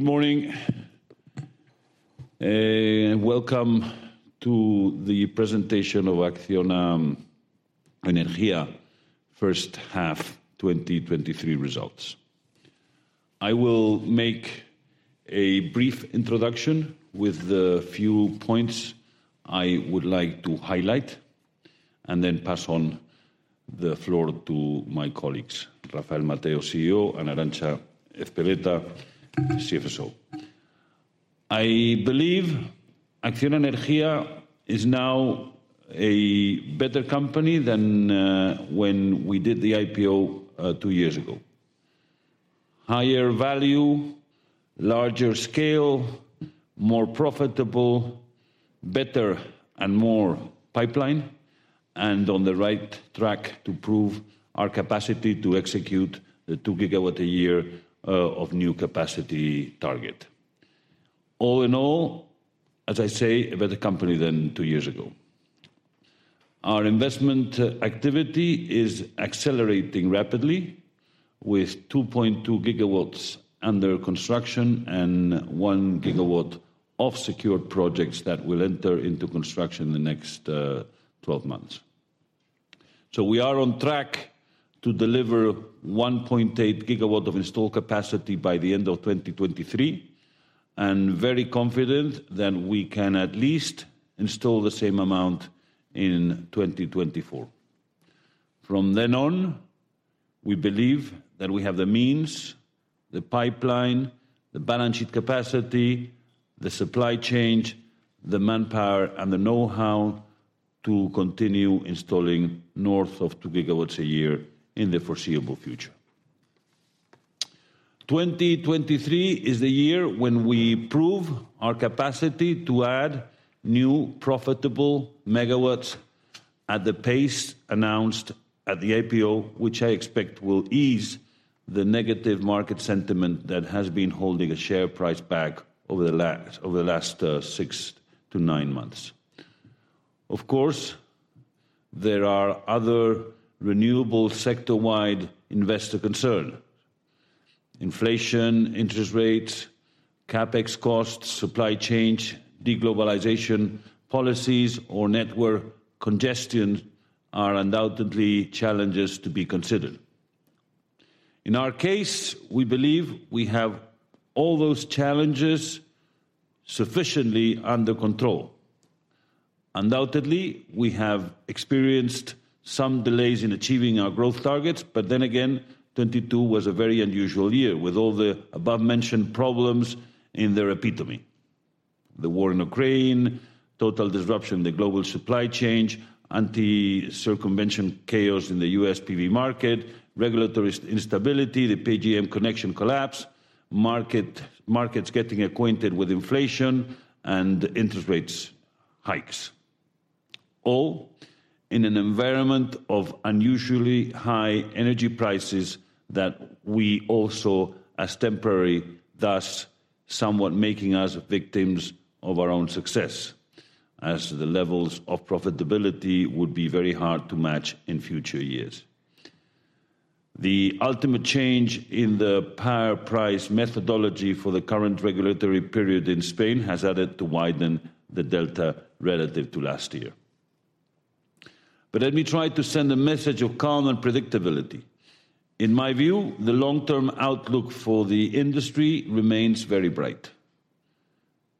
Good morning, and welcome to the presentation of ACCIONA Energía H1 2023 results. I will make a brief introduction with the few points I would like to highlight, and then pass on the floor to my colleagues, Rafael Mateo, CEO, and Arantza Ezpeleta, CFSO. I believe ACCIONA Energía is now a better company than when we did the IPO two years ago. Higher value, larger scale, more profitable, better and more pipeline, and on the right track to prove our capacity to execute the 2 GW a year of new capacity target. All in all, as I say, a better company than two years ago. Our investment activity is accelerating rapidly, with 2.2 GW under construction and 1 GW of secured projects that will enter into construction in the next 12 months. We are on track to deliver 1.8 GW of installed capacity by the end of 2023, and very confident that we can at least install the same amount in 2024. From then on, we believe that we have the means, the pipeline, the balance sheet capacity, the supply chain, the manpower, and the know-how to continue installing north of 2 GW a year in the foreseeable future. 2023 is the year when we prove our capacity to add new profitable megawatts at the pace announced at the IPO, which I expect will ease the negative market sentiment that has been holding a share price back over the last, over the last six to nine months. Of course, there are other renewable sector-wide investor concern. Inflation, interest rates, CapEx costs, supply chain, deglobalization, policies, or network congestion are undoubtedly challenges to be considered. In our case, we believe we have all those challenges sufficiently under control. Undoubtedly, we have experienced some delays in achieving our growth targets, but then again, 2022 was a very unusual year, with all the above-mentioned problems in their epitome. The war in Ukraine, total disruption in the global supply chain, anti-circumvention chaos in the US PV market, regulatory instability, the PJM connection collapse, markets getting acquainted with inflation and interest rates hikes. All in an environment of unusually high energy prices that we all saw as temporary, thus somewhat making us victims of our own success, as the levels of profitability would be very hard to match in future years. The ultimate change in the power price methodology for the current regulatory period in Spain has added to widen the delta relative to last year. Let me try to send a message of calm and predictability. In my view, the long-term outlook for the industry remains very bright.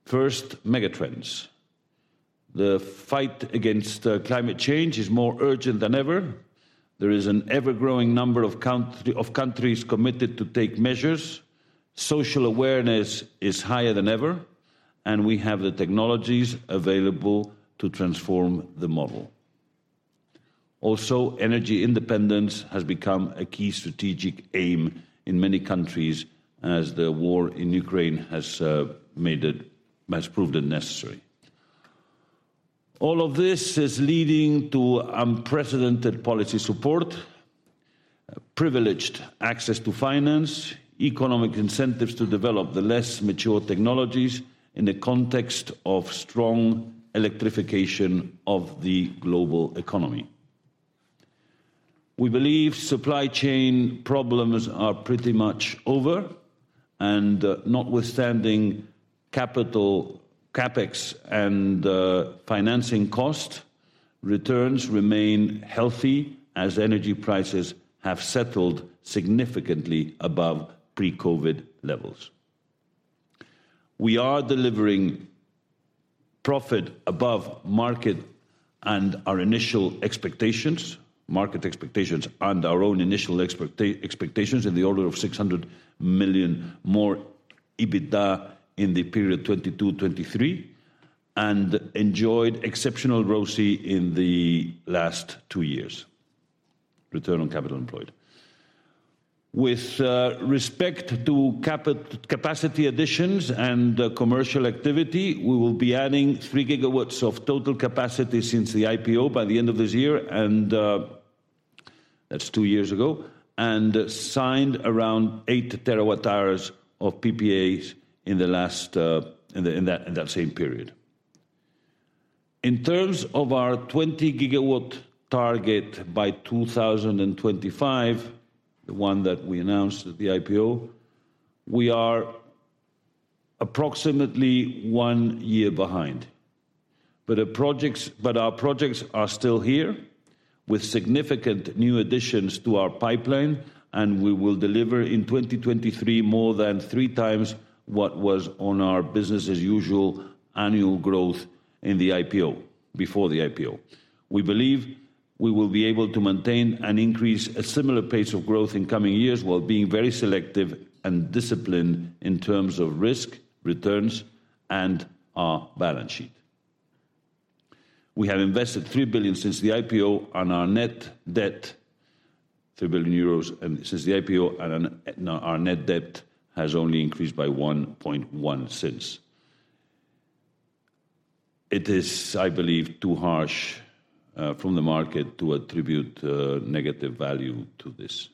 First, megatrends. The fight against climate change is more urgent than ever. There is an ever-growing number of country, of countries committed to take measures. Social awareness is higher than ever, and we have the technologies available to transform the model. Energy independence has become a key strategic aim in many countries, as the war in Ukraine has made it... has proved it necessary. All of this is leading to unprecedented policy support, privileged access to finance, economic incentives to develop the less mature technologies in the context of strong electrification of the global economy. We believe supply chain problems are pretty much over, and notwithstanding capital CapEx and financing cost, returns remain healthy as energy prices have settled significantly above pre-COVID levels. We are delivering profit above market and our initial expectations, market expectations, and our own initial expectations, in the order of 600 million more EBITDA in the period 2022, 2023, and enjoyed exceptional ROCE in the last two years, return on capital employed. With respect to capacity additions and commercial activity, we will be adding 3 GW of total capacity since the IPO by the end of this year, and that's two years ago, and signed around 8 TWh of PPAs in the last, in that same period. In terms of our 20 GW target by 2025, the one that we announced at the IPO, we are approximately one year behind. Our projects are still here, with significant new additions to our pipeline, and we will deliver in 2023 more than three times what was on our business-as-usual annual growth in the IPO, before the IPO. We believe we will be able to maintain and increase a similar pace of growth in coming years, while being very selective and disciplined in terms of risk, returns, and our balance sheet. We have invested 3 billion since the IPO, our net debt has only increased by 1.1 billion since. It is, I believe, too harsh from the market to attribute negative value to this.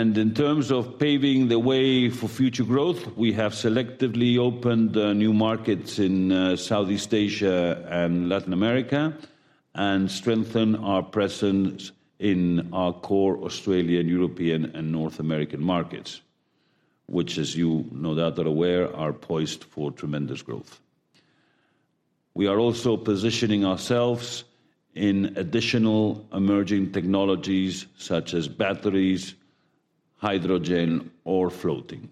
In terms of paving the way for future growth, we have selectively opened new markets in Southeast Asia and Latin America, and strengthened our presence in our core Australian, European, and North American markets, which, as you no doubt are aware, are poised for tremendous growth. We are also positioning ourselves in additional emerging technologies, such as batteries, hydrogen, or floating.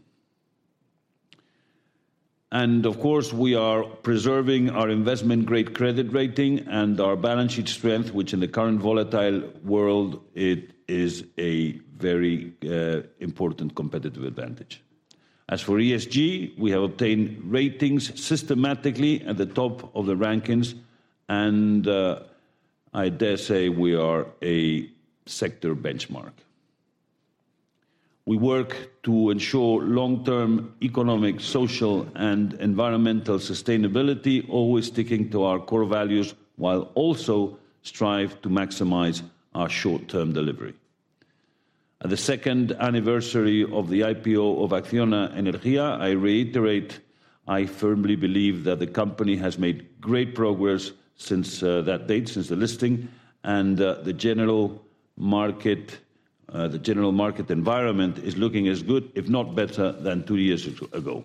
Of course, we are preserving our investment-grade credit rating and our balance sheet strength, which in the current volatile world, it is a very, important competitive advantage. As for ESG, we have obtained ratings systematically at the top of the rankings, and I dare say we are a sector benchmark. We work to ensure long-term economic, social, and environmental sustainability, always sticking to our core values, while also strive to maximize our short-term delivery. At the second anniversary of the IPO of ACCIONA Energía, I reiterate, I firmly believe that the company has made great progress since that date, since the listing, and the general market, the general market environment is looking as good, if not better, than two years ago.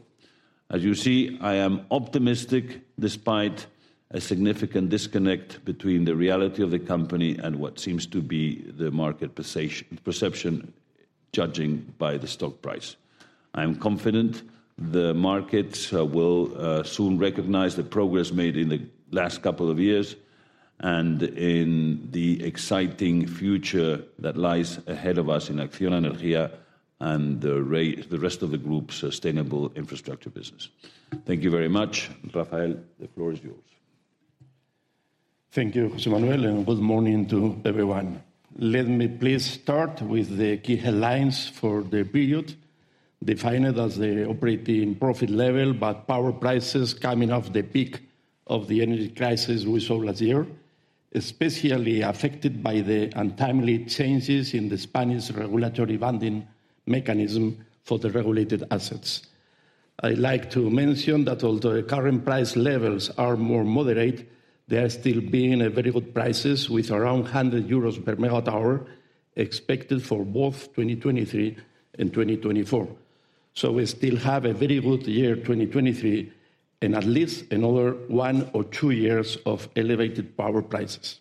As you see, I am optimistic, despite a significant disconnect between the reality of the company and what seems to be the market perception, judging by the stock price. I am confident the market will soon recognize the progress made in the last couple of years, and in the exciting future that lies ahead of us in ACCIONA Energía and the rest of the group's sustainable infrastructure business. Thank you very much. Rafael, the floor is yours. Thank you, José Manuel, good morning to everyone. Let me please start with the key headlines for the period, defined as the operating profit level, but power prices coming off the peak of the energy crisis we saw last year, especially affected by the untimely changes in the Spanish regulatory banding mechanism for the regulated assets. I'd like to mention that although the current price levels are more moderate, they are still being at very good prices, with around 100 euros/MWh expected for both 2023 and 2024. We still have a very good year, 2023, and at least another one or two years of elevated power prices.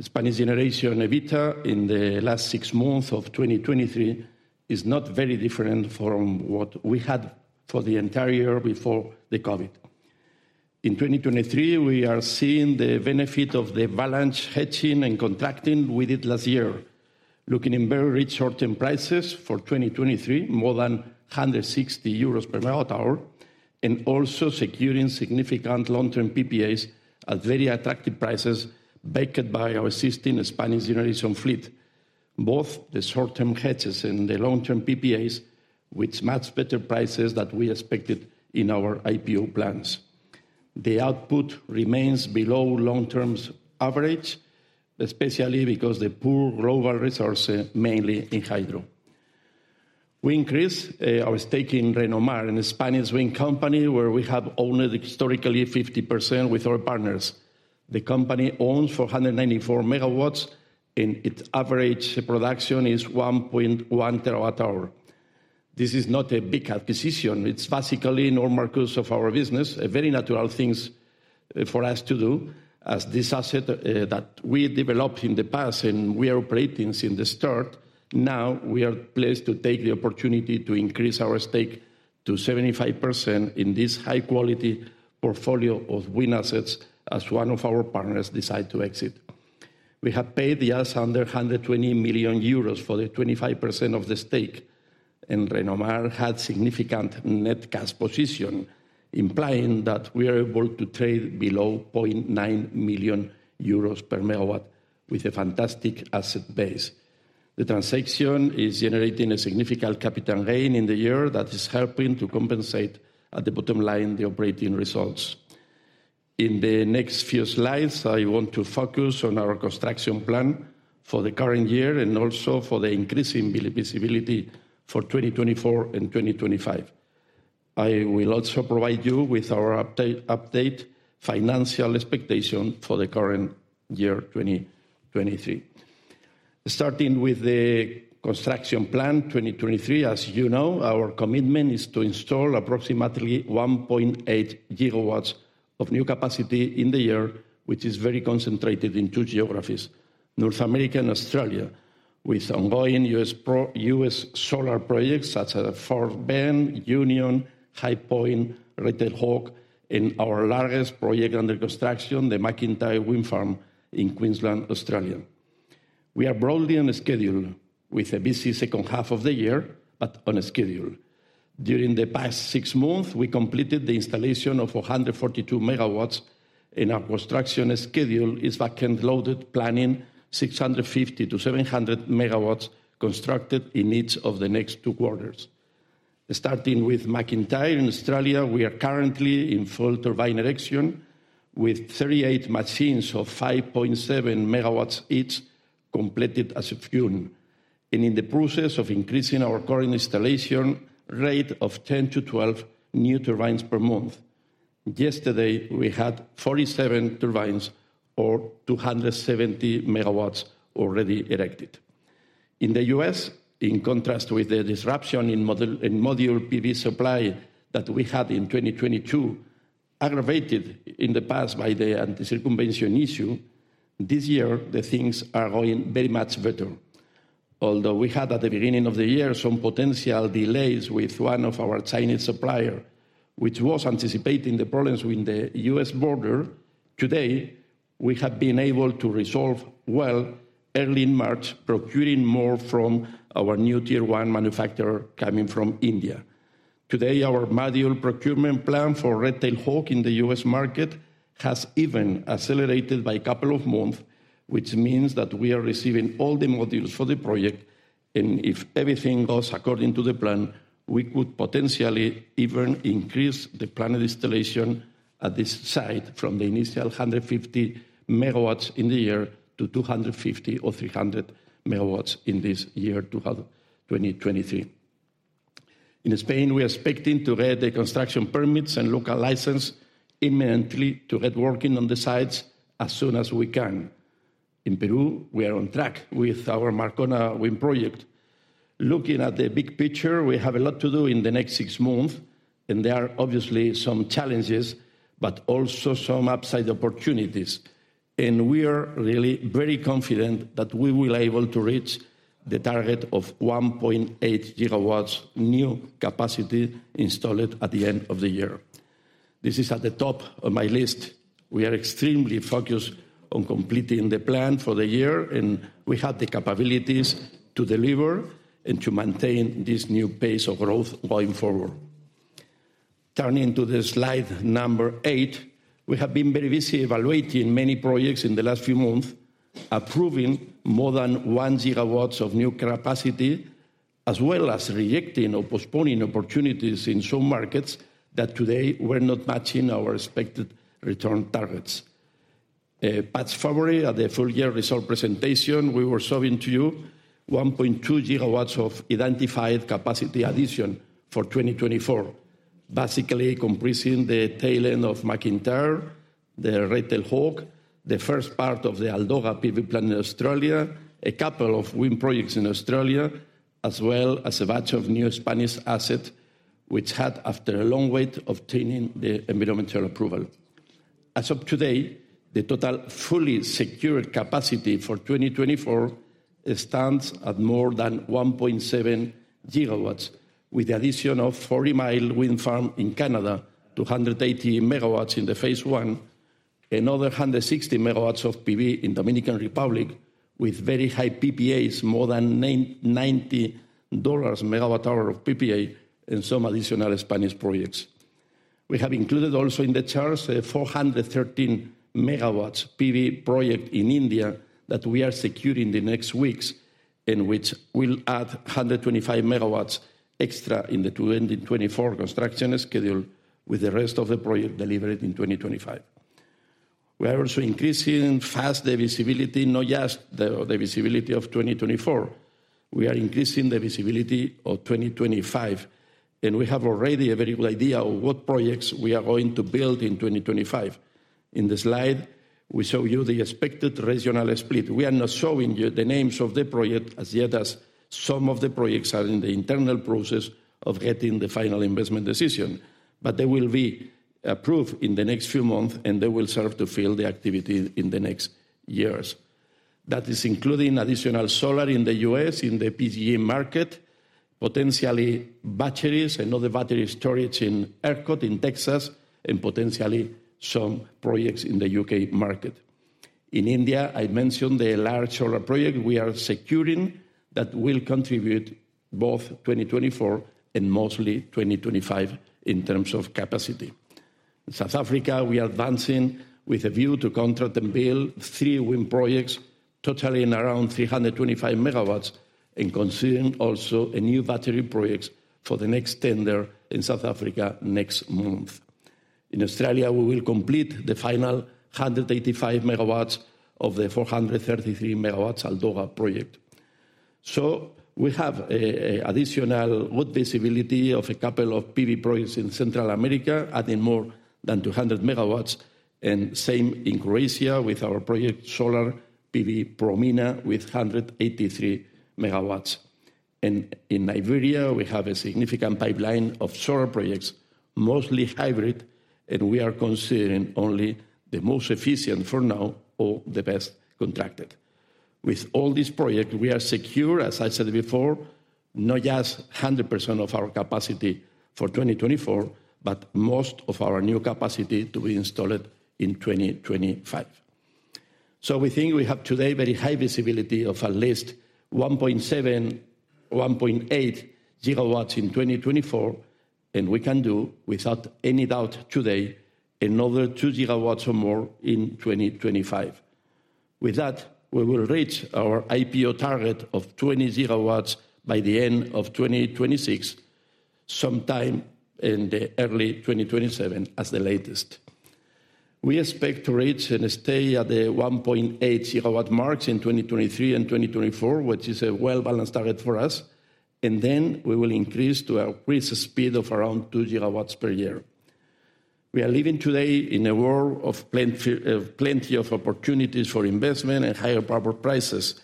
Spanish generation EBITDA in the last six months of 2023 is not very different from what we had for the entire year before the COVID. In 2023, we are seeing the benefit of the balance hedging and contracting we did last year, locking in very rich short-term prices for 2023, more than 160 euros/MWh, and also securing significant long-term PPAs at very attractive prices, backed by our existing Spanish generation fleet. Both the short-term hedges and the long-term PPAs, with much better prices than we expected in our IPO plans. The output remains below long-term's average, especially because the poor global resources, mainly in hydro. We increased our stake in Renomar, an Spanish wind company, where we have owned historically 50% with our partners. The company owns 494 MW, and its average production is 1.1 TWh. This is not a big acquisition. It's basically normal course of our business, a very natural things, for us to do, as this asset, that we developed in the past and we are operating since the start, now we are pleased to take the opportunity to increase our stake to 75% in this high-quality portfolio of wind assets, as one of our partners decide to exit. We have paid just under 120 million euros for the 25% of the stake. Renomar had significant net cash position, implying that we are able to trade below 0.9 million euros per megawatt with a fantastic asset base. The transaction is generating a significant capital gain in the year that is helping to compensate, at the bottom line, the operating results. In the next few slides, I want to focus on our construction plan.... for the current year, and also for the increasing visibility for 2024 and 2025. I will also provide you with our update financial expectation for the current year, 2023. Starting with the construction plan, 2023, as you know, our commitment is to install approximately 1.8 GW of new capacity in the year, which is very concentrated in two geographies, North America and Australia, with ongoing U.S. solar projects, such as Fort Bend, Union, High Point, Red Tail Hawk, and our largest project under construction, the MacIntyre Wind Farm in Queensland, Australia. We are broadly on schedule, with a busy second half of the year, but on a schedule. During the past 6 months, we completed the installation of 442 MW, and our construction schedule is back-end loaded, planning 650 MW to 700 MW constructed in each of the next two quarters. Starting with MacIntyre in Australia, we are currently in full turbine erection, with 38 machines of 5.7 MW each completed as of June, and in the process of increasing our current installation rate of 10 to 12 new turbines per month. Yesterday, we had 47 turbines, or 270 MW, already erected. In the U.S., in contrast with the disruption in model, in module PV supply that we had in 2022, aggravated in the past by the anti-circumvention issue, this year the things are going very much better. Although we had, at the beginning of the year, some potential delays with one of our Chinese supplier, which was anticipating the problems with the U.S. border, today, we have been able to resolve well early in March, procuring more from our new Tier One manufacturer coming from India. Today, our module procurement plan for Red Tail Hawk in the U.S. market has even accelerated by a couple of months, which means that we are receiving all the modules for the project, and if everything goes according to the plan, we could potentially even increase the planned installation at this site from the initial 150 MW in the year to 250 or 300 MW in this year, 2023. In Spain, we are expecting to get the construction permits and local license imminently to get working on the sites as soon as we can. In Peru, we are on track with our Marcona wind project. Looking at the big picture, we have a lot to do in the next six months, and there are obviously some challenges, but also some upside opportunities. We are really very confident that we will able to reach the target of 1.8 gigawatts new capacity installed at the end of the year. This is at the top of my list. We are extremely focused on completing the plan for the year, and we have the capabilities to deliver and to maintain this new pace of growth going forward. Turning to the slide number eight, we have been very busy evaluating many projects in the last few months, approving more than 1 GW of new capacity, as well as rejecting or postponing opportunities in some markets that today were not matching our expected return targets. Past February, at the full year result presentation, we were showing to you 1.2 GW of identified capacity addition for 2024, basically comprising the tail end of MacIntyre, the Red Tail Hawk, the first part of the Aldoga PV plant in Australia, a couple of wind projects in Australia, as well as a batch of new Spanish asset, which had, after a long wait, obtaining the environmental approval. As of today, the total fully secured capacity for 2024, it stands at more than 1.7 GW, with the addition of Forty Mile Wind Farm in Canada, 280 MW in the phase I, another 160 MW of PV in Dominican Republic, with very high PPAs, more than $90/MWh of PPA, and some additional Spanish projects. We have included also in the charts a 413 MW PV project in India that we are securing the next weeks, which will add 125 MW extra in the 2024 construction schedule, with the rest of the project delivered in 2025. We are also increasing fast the visibility, not just the visibility of 2024. We are increasing the visibility of 2025. We have already a very good idea of what projects we are going to build in 2025. In the slide, we show you the expected regional split. We are not showing you the names of the project as yet, as some of the projects are in the internal process of getting the final investment decision. They will be approved in the next few months, and they will serve to fill the activity in the next years. That is including additional solar in the U.S., in the PJM market, potentially batteries and other battery storage in ERCOT, in Texas, and potentially some projects in the U.K. market. In India, I mentioned the large solar project we are securing that will contribute both 2024 and mostly 2025 in terms of capacity. In South Africa, we are advancing with a view to contract and build three wind projects, totaling around 325 MW, and considering also a new battery projects for the next tender in South Africa next month. In Australia, we will complete the final 185 MW of the 433 MW Aldoga project. We have an additional good visibility of a couple of PV projects in Central America, adding more than 200 MW, and same in Croatia with our project, Solar PV Promina, with 183 MW. In Nigeria, we have a significant pipeline of solar projects, mostly hybrid, and we are considering only the most efficient for now or the best contracted. With all these project, we are secure, as I said before, not just 100% of our capacity for 2024, but most of our new capacity to be installed in 2025. We think we have today very high visibility of at least 1.7 GW to 1.8 GW in 2024, and we can do, without any doubt today, another 2 GW or more in 2025. With that, we will reach our IPO target of 20 GW by the end of 2026, sometime in the early 2027 as the latest. We expect to reach and stay at the 1.8 GW marks in 2023 and 2024, which is a well-balanced target for us, and then we will increase to a increased speed of around 2 GW per year. We are living today in a world of plenty, plenty of opportunities for investment and higher power prices,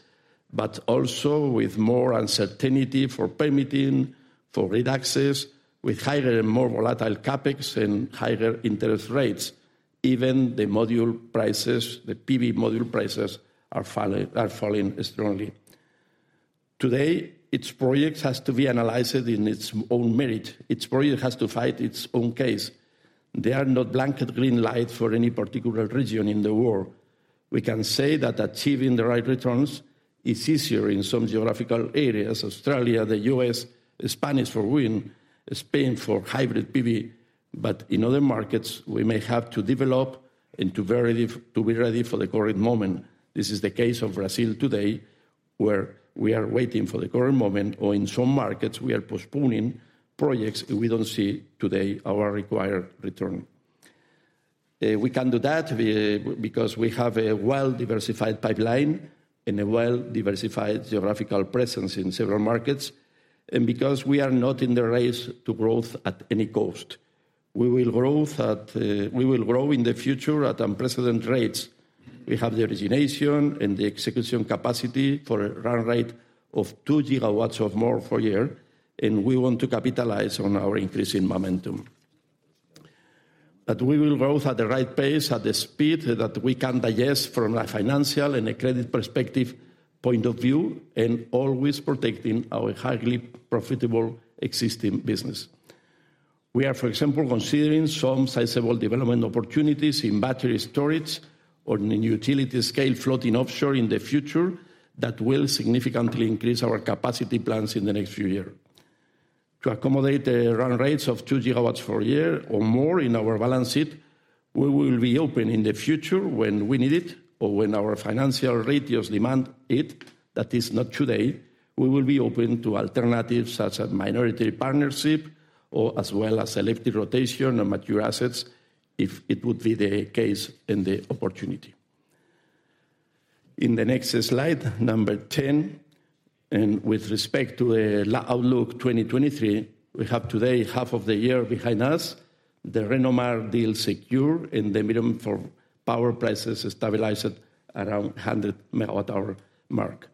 but also with more uncertainty for permitting, for grid access, with higher and more volatile CapEx and higher interest rates. Even the module prices, the PV module prices, are falling, are falling strongly. Today, each project has to be analyzed in its own merit. Each project has to fight its own case. There are no blanket green light for any particular region in the world. We can say that achieving the right returns is easier in some geographical areas, Australia, the U.S., Spanish for wind, Spain for hybrid PV. In other markets, we may have to develop and to very to be ready for the current moment. This is the case of Brazil today, where we are waiting for the current moment, or in some markets, we are postponing projects we don't see today our required return. We can do that, because we have a well-diversified pipeline and a well-diversified geographical presence in several markets, and because we are not in the race to growth at any cost. We will growth at. We will grow in the future at unprecedented rates. We have the origination and the execution capacity for a run rate of 2 GW or more per year, and we want to capitalize on our increasing momentum. We will grow at the right pace, at the speed that we can digest from a financial and a credit perspective point of view, and always protecting our highly profitable existing business. We are, for example, considering some sizable development opportunities in battery storage or in utility-scale floating offshore in the future that will significantly increase our capacity plans in the next few year. To accommodate the run rates of 2 GW per year or more in our balance sheet, we will be open in the future when we need it or when our financial ratios demand it, that is not today, we will be open to alternatives such as minority partnership or as well as selective rotation of mature assets if it would be the case and the opportunity. In the next slide, number 10, with respect to the outlook 2023, we have today half of the year behind us, the Renomar deal secure, and the minimum for power prices stabilized around 100/MWh mark.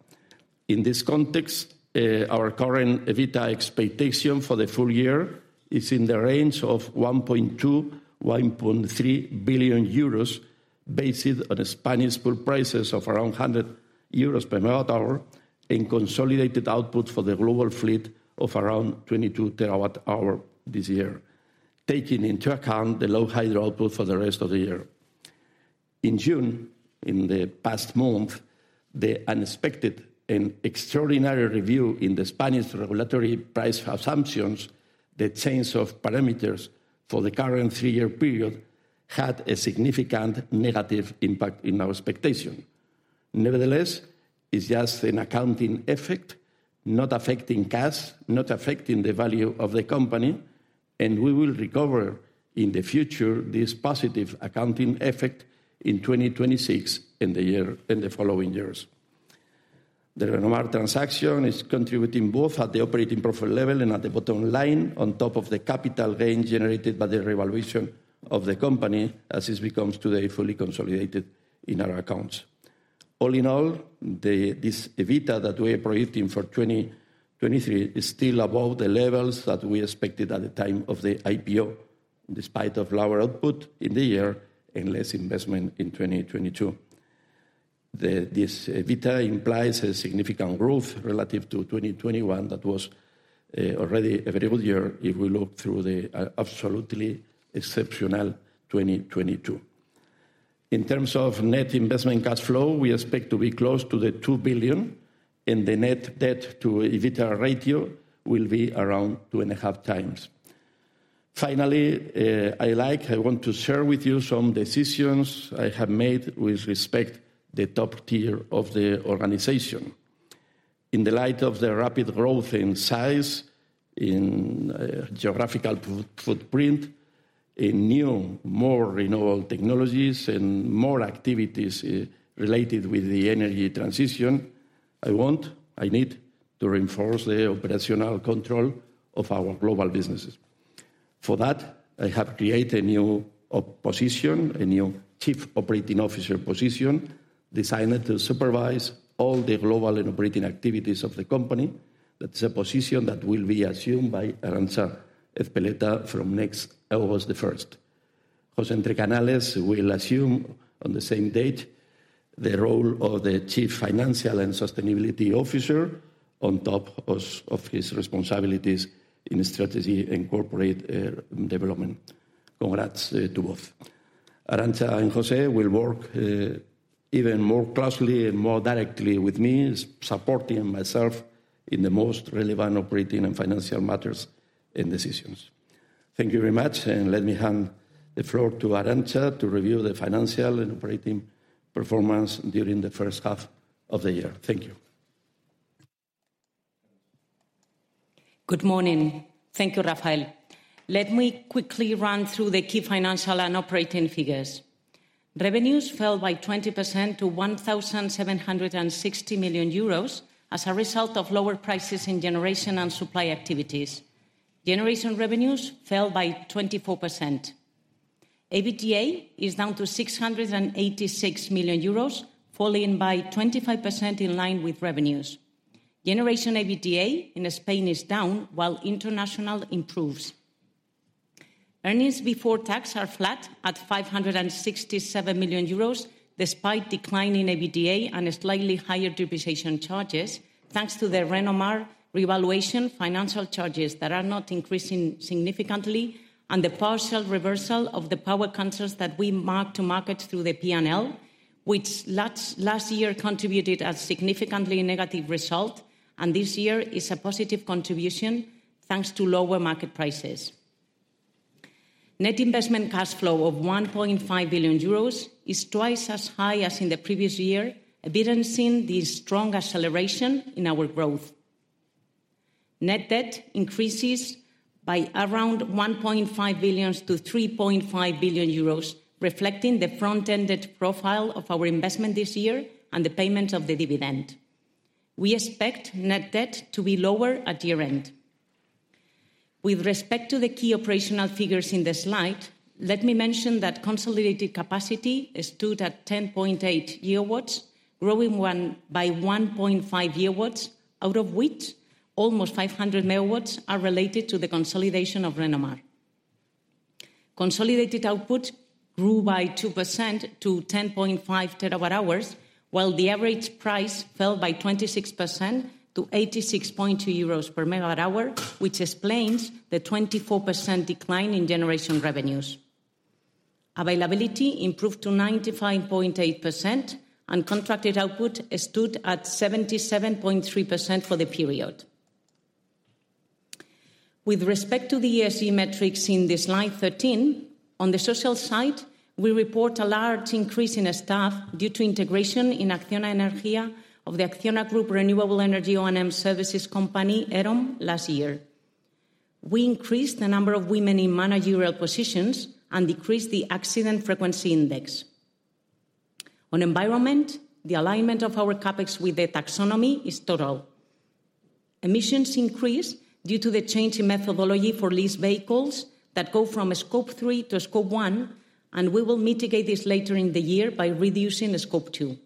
In this context, our current EBITDA expectation for the full year is in the range of 1.2 billion to 1.3 billion euros, based on the Spanish pool prices of around 100 euros/MWh, and consolidated output for the global fleet of around 22 TWh this year, taking into account the low hydro output for the rest of the year. In June, in the past month, the unexpected and extraordinary review in the Spanish regulatory price assumptions, the change of parameters for the current three-year period, had a significant negative impact in our expectation. Nevertheless, it's just an accounting effect, not affecting cash, not affecting the value of the company, and we will recover in the future this positive accounting effect in 2026, in the year, and the following years. The Renomar transaction is contributing both at the operating profit level and at the bottom line, on top of the capital gain generated by the revaluation of the company, as it becomes today fully consolidated in our accounts. All in all, this EBITDA that we are projecting for 2023 is still above the levels that we expected at the time of the IPO, despite of lower output in the year and less investment in 2022. This EBITDA implies a significant growth relative to 2021 that was already a very good year if we look through the absolutely exceptional 2022. In terms of net investment cash flow, we expect to be close to the 2 billion, and the net debt to EBITDA ratio will be around 2.5 times. Finally, I want to share with you some decisions I have made with respect the top tier of the organization. In the light of the rapid growth in size, in geographical footprint, in new, more renewable technologies, and more activities related with the energy transition, I need to reinforce the operational control of our global businesses. For that, I have created a new position, a new chief operating officer position, designed to supervise all the global and operating activities of the company. That's a position that will be assumed by Arantza Ezpeleta from next August the 1st. Jose Antonio Trecanales will assume, on the same date, the role of the chief financial and sustainability officer on top of his responsibilities in strategy and corporate development. Congrats to both. Arantxa and Jose will work even more closely and more directly with me, supporting myself in the most relevant operating and financial matters and decisions. Thank you very much. Let me hand the floor to Arantxa to review the financial and operating performance during the first half of the year. Thank you. Good morning. Thank you, Rafael. Let me quickly run through the key financial and operating figures. Revenues fell by 20% to 1,760 million euros as a result of lower prices in generation and supply activities. Generation revenues fell by 24%. EBITDA is down to 686 million euros, falling by 25% in line with revenues. Generation EBITDA in Spain is down while international improves. Earnings before tax are flat at 567 million euros, despite declining EBITDA and slightly higher depreciation charges, thanks to the Renomar revaluation, financial charges that are not increasing significantly, and the partial reversal of the power cancels that we mark to market through the P&L, which last year contributed a significantly negative result, this year is a positive contribution, thanks to lower market prices. Net investment cash flow of 1.5 billion euros is twice as high as in the previous year, evidencing the strong acceleration in our growth. Net debt increases by around 1.5 billion to 3.5 billion euros, reflecting the front-ended profile of our investment this year and the payment of the dividend. We expect net debt to be lower at year-end. With respect to the key operational figures in the slide, let me mention that consolidated capacity is stood at 10.8 GW, growing by 1.5 GW, out of which almost 500 MW are related to the consolidation of Renomar. Consolidated output grew by 2% to 10.5 TWh, while the average price fell by 26% to 86.2 euros per megawatt hour, which explains the 24% decline in generation revenues. Availability improved to 95.8%. Contracted output stood at 77.3% for the period. With respect to the ESG metrics in the slide 13, on the social side, we report a large increase in staff due to integration in ACCIONA Energía of the Acciona Group Renewable Energy O&M services company, EROM, last year. We increased the number of women in managerial positions and decreased the accident frequency index. On environment, the alignment of our CapEx with the taxonomy is total. Emissions increase due to the change in methodology for leased vehicles that go from Scope 3 to Scope 1. We will mitigate this later in the year by reducing Scope 2.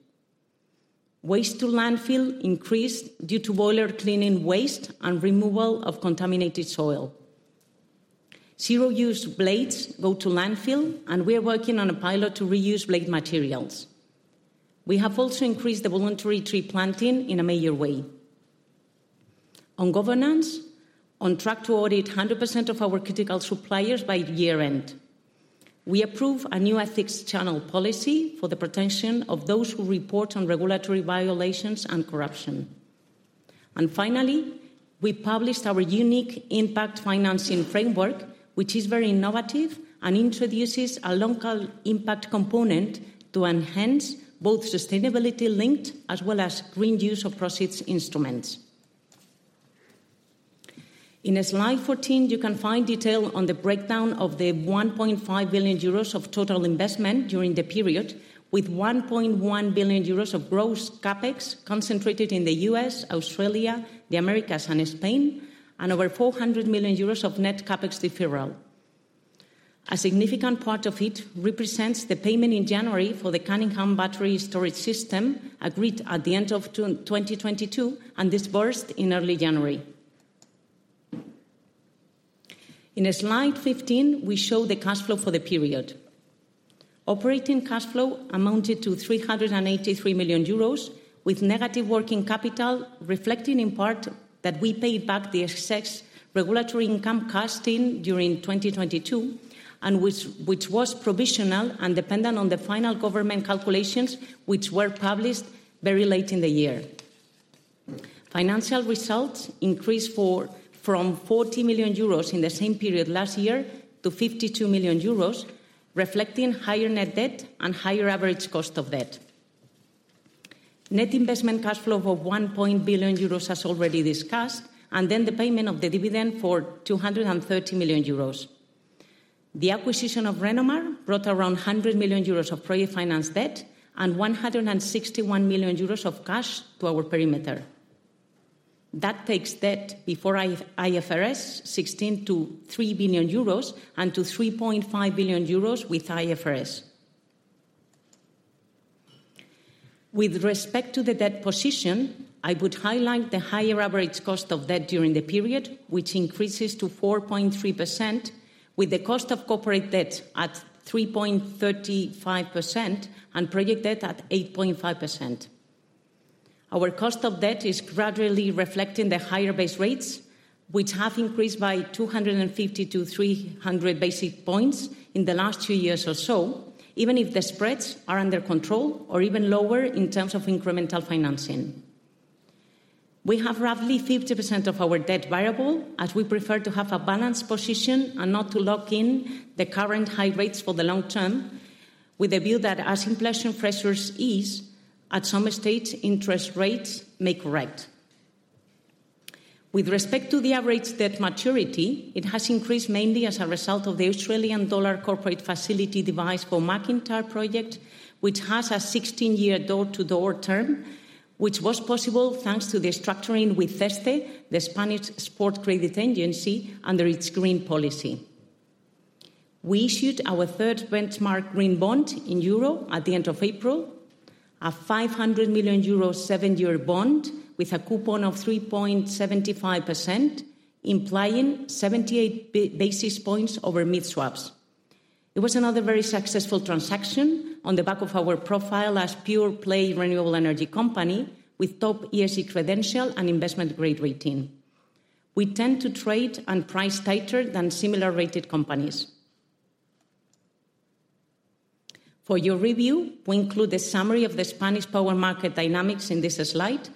Waste to landfill increased due to boiler cleaning waste and removal of contaminated soil. Zero-use blades go to landfill. We are working on a pilot to reuse blade materials. We have also increased the voluntary tree planting in a major way. On governance, on track to audit 100% of our critical suppliers by year-end. We approve a new ethics channel policy for the protection of those who report on regulatory violations and corruption. Finally, we published our unique impact financing framework, which is very innovative and introduces a local impact component to enhance both sustainability-linked as well as green use of proceeds instruments. In slide 14, you can find detail on the breakdown of the 1.5 billion euros of total investment during the period, with 1.1 billion euros of gross CapEx concentrated in the US, Australia, the Americas, and Spain, and over 400 million euros of net CapEx deferral. A significant part of it represents the payment in January for the Cunningham Battery Storage System, agreed at the end of June 2022, and disbursed in early January. In slide 15, we show the cash flow for the period. Operating cash flow amounted to 383 million euros, with negative working capital, reflecting in part that we paid back the excess regulatory income costing during 2022, which was provisional and dependent on the final government calculations, which were published very late in the year. Financial results increased from 40 million euros in the same period last year to 52 million euros. reflecting higher net debt and higher average cost of debt. Net investment cash flow of 1.1 billion euros, as already discussed, then the payment of the dividend for 230 million euros. The acquisition of Renomar brought around 100 million euros of project finance debt and 161 million euros of cash to our perimeter. That takes debt before IFRS 16 to 3 billion euros, and to 3.5 billion euros with IFRS. With respect to the debt position, I would highlight the higher average cost of debt during the period, which increases to 4.3%, with the cost of corporate debt at 3.35% and project debt at 8.5%. Our cost of debt is gradually reflecting the higher base rates, which have increased by 250 to 300 basis points in the last two years or so, even if the spreads are under control or even lower in terms of incremental financing. We have roughly 50% of our debt variable, as we prefer to have a balanced position and not to lock in the current high rates for the long term, with the view that as inflation pressures ease, at some stage, interest rates may correct. With respect to the average debt maturity, it has increased mainly as a result of the Australian dollar corporate facility device for MacIntyre project, which has a 16-year door-to-door term, which was possible thanks to the structuring with CESCE, the Spanish export credit agency, under its green policy. We issued our third benchmark green bond in euro at the end of April, a 500 million euro seven-year bond with a coupon of 3.75%, implying 78 basis points over mid-swaps. It was another very successful transaction on the back of our profile as pure-play renewable energy company with top ESG credential and investment-grade rating. We tend to trade and price tighter than similar-rated companies. For your review, we include a summary of the Spanish power market dynamics in this slide.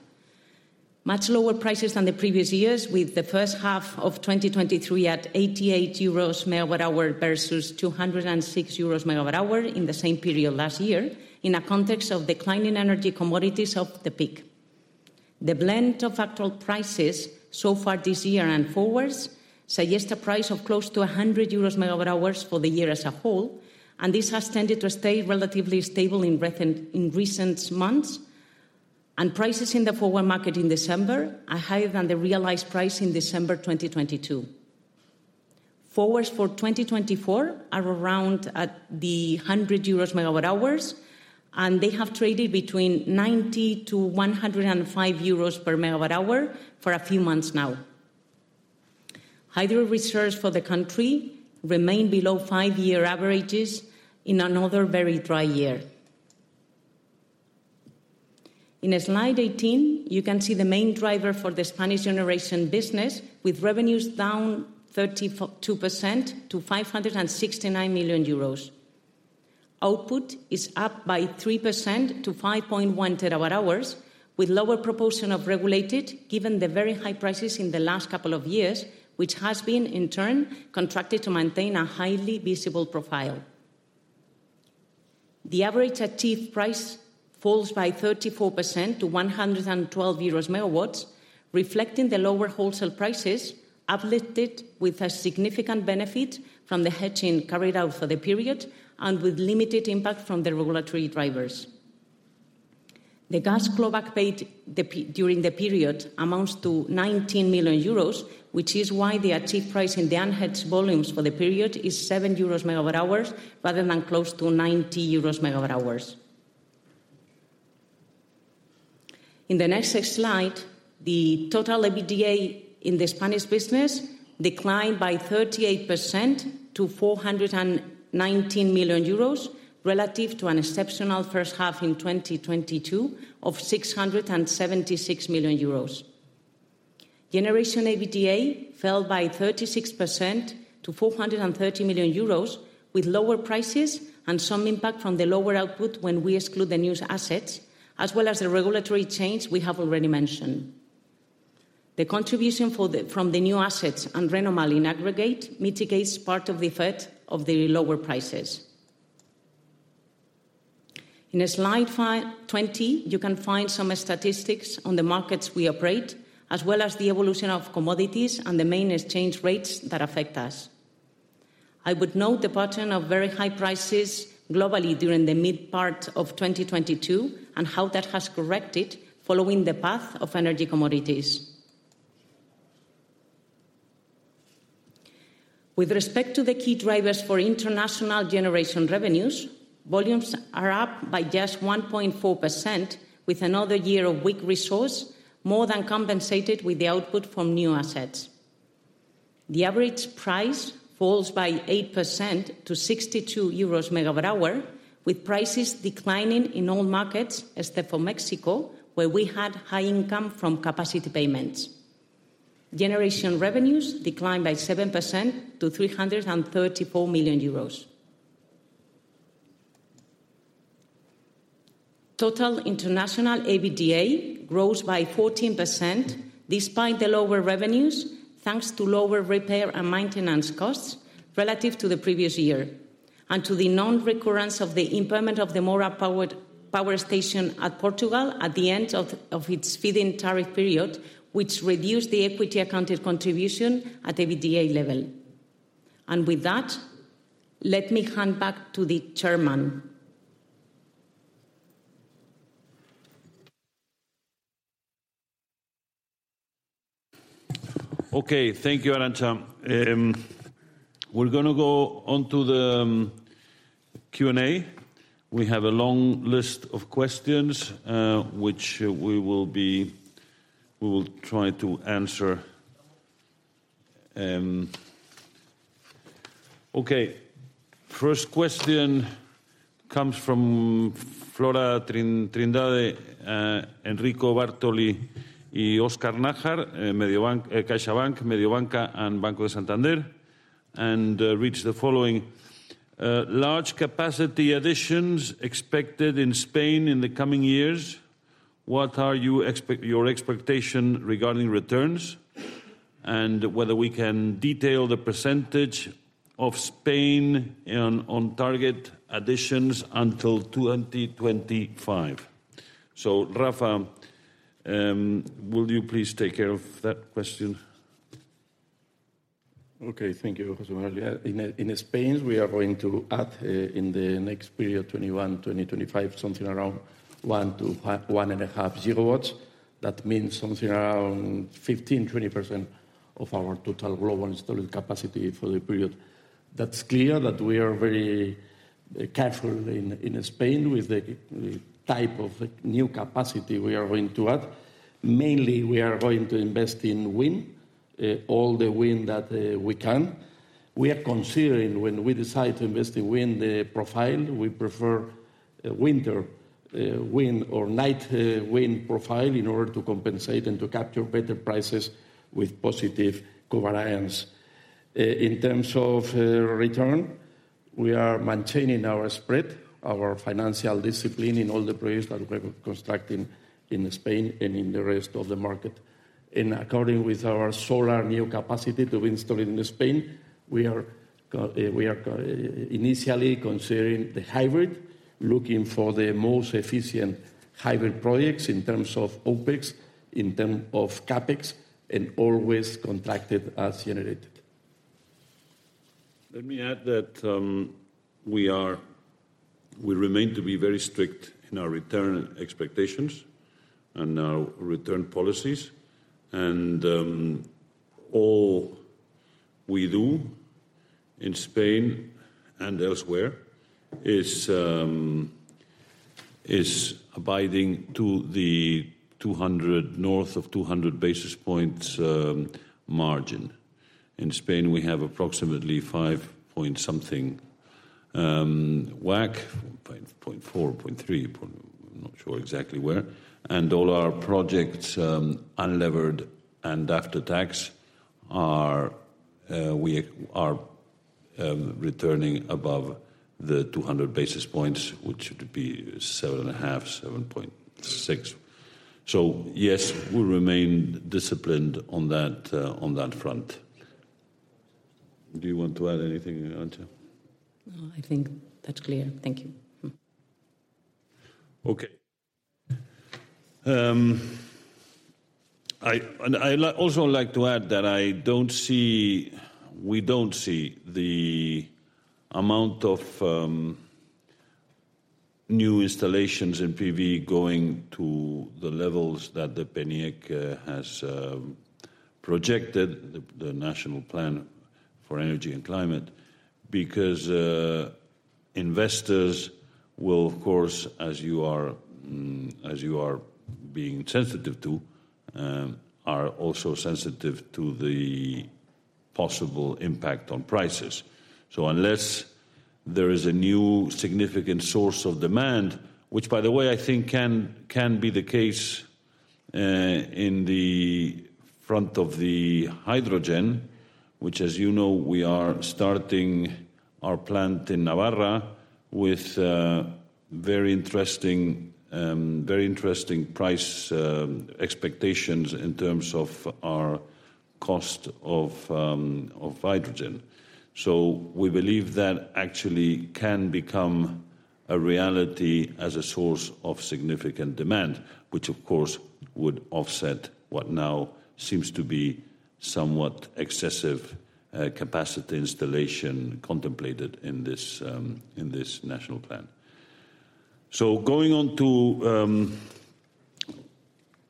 Much lower prices than the previous years, with H1 2023 at 88 euros/MWh versus 206 euros/MWh in the same period last year, in a context of declining energy commodities off the peak. The blend of actual prices so far this year and forwards suggest a price of close to 100 euros MWh for the year as a whole. This has tended to stay relatively stable in recent months. Prices in the forward market in December are higher than the realized price in December 2022. Forwards for 2024 are around at the 100 euros MWh. They have traded between 90 to 105 euros/MWh for a few months now. Hydro reserves for the country remain below five-year averages in another very dry year. In slide 18, you can see the main driver for the Spanish generation business, with revenues down 32% to 569 million euros. Output is up by 3% to 5.1 TWh, with lower proportion of regulated, given the very high prices in the last couple of years, which has been, in turn, contracted to maintain a highly visible profile. The average achieved price falls by 34% to 112 euros MW, reflecting the lower wholesale prices, uplifted with a significant benefit from the hedging carried out for the period and with limited impact from the regulatory drivers. The gas global paid during the period amounts to 19 million euros, which is why the achieved price in the unhedged volumes for the period is 7 euros MWh, rather than close to 90 euros MWh. In the next slide, the total EBITDA in the Spanish business declined by 38% to 419 million euros, relative to an exceptional first half in 2022 of 676 million euros. Generation EBITDA fell by 36% to 430 million euros, with lower prices and some impact from the lower output when we exclude the new assets, as well as the regulatory change we have already mentioned. The contribution from the new assets and Renomar in aggregate mitigates part of the effect of the lower prices. In slide 20, you can find some statistics on the markets we operate, as well as the evolution of commodities and the main exchange rates that affect us. I would note the pattern of very high prices globally during the mid part of 2022, and how that has corrected following the path of energy commodities. With respect to the key drivers for international generation revenues, volumes are up by just 1.4%, with another year of weak resource, more than compensated with the output from new assets. The average price falls by 8% to 62 euros/MWh, with prices declining in all markets, except for Mexico, where we had high income from capacity payments. Generation revenues declined by 7% to 334 million euros. Total international EBITDA grows by 14%, despite the lower revenues, thanks to lower repair and maintenance costs relative to the previous year, and to the non-recurrence of the impairment of the Mora powered power station at Portugal at the end of its feed-in tariff period, which reduced the equity accounted contribution at EBITDA level. With that, let me hand back to the chairman. Okay, thank you, Arantza. We're gonna go on to the Q&A. We have a long list of questions, which we will try to answer. First question comes from Flora Trindade, Enrico Bartoli, and Oscar Najar, Mediobanca, CaixaBank, Mediobanca, and Banco Santander, reads the following: "Large capacity additions expected in Spain in the coming years, what are your expectation regarding returns? And whether we can detail the percentage of Spain on, on target additions until 2025." Rafael, will you please take care of that question? Okay. Thank you, José María. In Spain, we are going to add, in the next period, 2021, 2025, something around 1 GW to 1.5 GW. That means something around 15% to 20% of our total global installed capacity for the period. That's clear that we are very careful in Spain with the type of new capacity we are going to add. Mainly, we are going to invest in wind, all the wind that we can. We are considering, when we decide to invest in wind, the profile. We prefer winter wind or night wind profile in order to compensate and to capture better prices with positive covariance. In terms of return, we are maintaining our spread, our financial discipline in all the projects that we're constructing in Spain and in the rest of the market. In according with our solar new capacity to be installed in Spain, we are, initially considering the hybrid, looking for the most efficient hybrid projects in terms of OpEx, in term of CapEx, and always contracted as generated. Let me add that we remain to be very strict in our return expectations and our return policies. All we do in Spain and elsewhere is abiding to the 200, north of 200 basis points margin. In Spain, we have approximately five-point-something WACC. I'm not sure exactly where. All our projects, unlevered and after tax, we are returning above the 200 basis points, which would be 7.5, 7.6. Yes, we remain disciplined on that on that front. Do you want to add anything, Arantza? No, I think that's clear. Thank you. Mm. Okay. I'd also like to add that I don't see, we don't see the amount of new installations in PV going to the levels that the PNIEC has projected, the National Plan for Energy and Climate, because investors will, of course, as you are being sensitive to, are also sensitive to the possible impact on prices. Unless there is a new significant source of demand, which by the way, I think can, can be the case, in the front of the hydrogen, which, as you know, we are starting our plant in Navarra with very interesting, very interesting price expectations in terms of our cost of hydrogen. We believe that actually can become a reality as a source of significant demand, which of course, would offset what now seems to be somewhat excessive capacity installation contemplated in this national plan. Going on to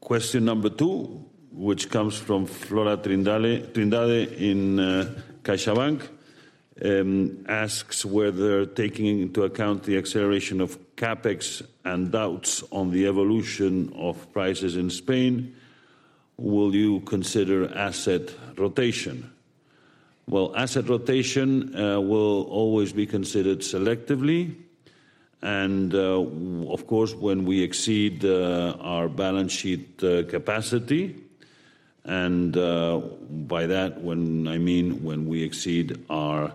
question number two, which comes from Flora Trindade, Trindade in CaixaBank, asks: "Whether taking into account the acceleration of CapEx and doubts on the evolution of prices in Spain, will you consider asset rotation?" Well, asset rotation will always be considered selectively, and of course, when we exceed our balance sheet capacity. By that, I mean when we exceed our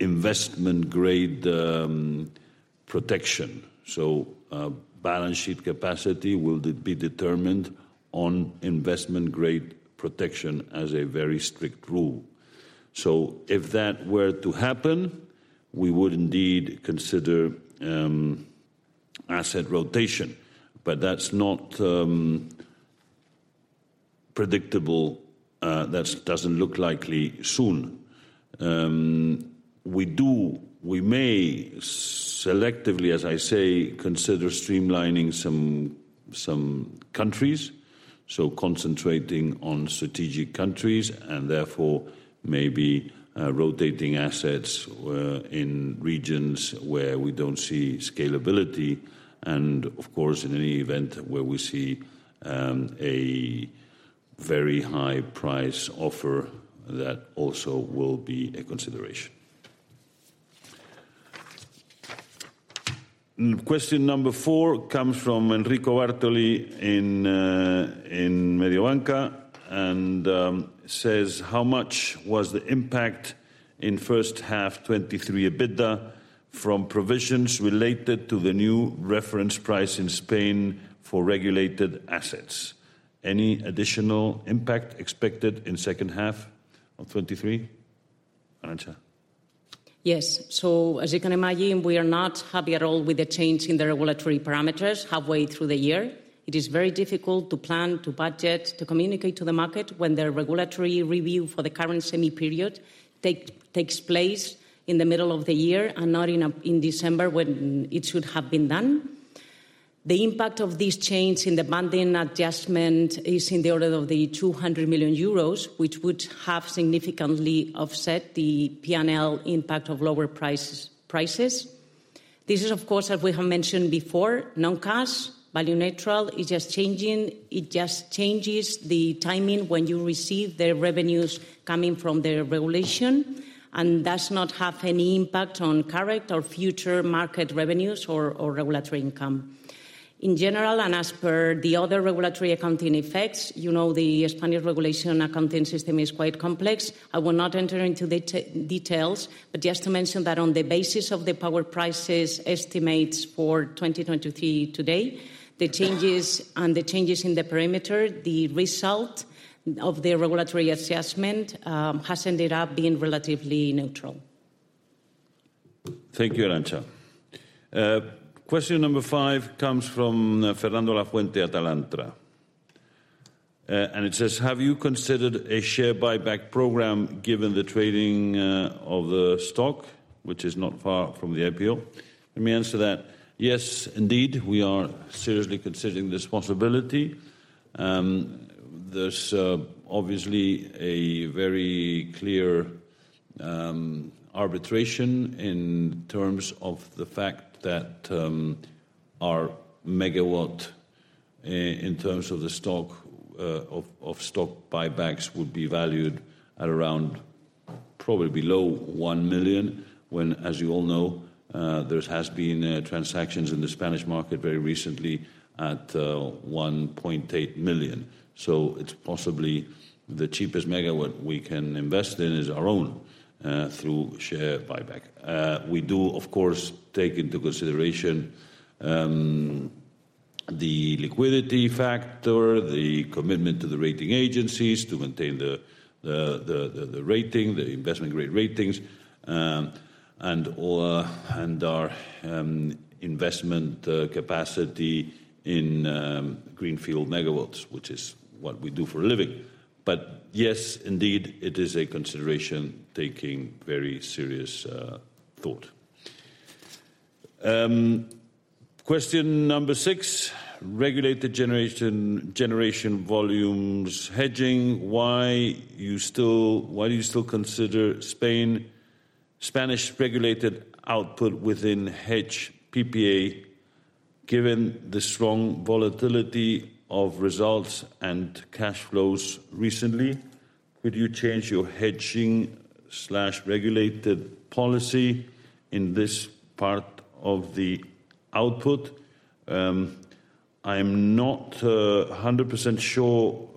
investment-grade protection. Balance sheet capacity will be determined on investment-grade protection as a very strict rule. If that were to happen, we would indeed consider asset rotation, that's not predictable, that's doesn't look likely soon. We may selectively, as I say, consider streamlining some countries, so concentrating on strategic countries, and therefore maybe rotating assets in regions where we don't see scalability, and of course, in any event where we see a very high price offer, that also will be a consideration. Question number 4 comes from Enrico Bartoli in Mediobanca, and says: "How much was the impact in H1 2023 EBITDA from provisions related to the new reference price in Spain for regulated assets? Any additional impact expected in second half of 2023?" Arantza. Yes. As you can imagine, we are not happy at all with the change in the regulatory parameters halfway through the year. It is very difficult to plan, to budget, to communicate to the market when the regulatory review for the current semi-period take, takes place in the middle of the year and not in December, when it should have been done. The impact of this change in the banding adjustment is in the order of the 200 million euros, which would have significantly offset the P&L impact of lower prices, prices. This is, of course, as we have mentioned before, non-cash, value-neutral. It just changes the timing when you receive the revenues coming from the regulation, and does not have any impact on current or future market revenues or, or regulatory income. In general, and as per the other regulatory accounting effects, you know, the Spanish regulation accounting system is quite complex. I will not enter into the details, but just to mention that on the basis of the power prices estimates for 2023 today, and the changes in the parameter, the result of the regulatory assessment has ended up being relatively neutral. Thank you, Arantza. Question number five comes from Fernando Lafuente at Alantra, and it says: "Have you considered a share buyback program, given the trading of the stock, which is not far from the IPO?" Let me answer that. Yes, indeed, we are seriously considering this possibility. There's obviously a very clear arbitration in terms of the fact that our megawatt i-in terms of the stock of, of stock buybacks would be valued at around probably below 1 million, when, as you all know, there's has been transactions in the Spanish market very recently at 1.8 million. It's possibly the cheapest megawatt we can invest in is our own, through share buyback. We do, of course, take into consideration the liquidity factor, the commitment to the rating agencies to maintain the rating, the investment-grade ratings, and our investment capacity in greenfield megawatts, which is what we do for a living. Yes, indeed, it is a consideration taking very serious thought. Question number six: regulated generation, generation volumes hedging. Why do you still consider Spain, Spanish-regulated output within hedge PPA, given the strong volatility of results and cash flows recently? Could you change your hedging/regulated policy in this part of the output? I'm not 100% sure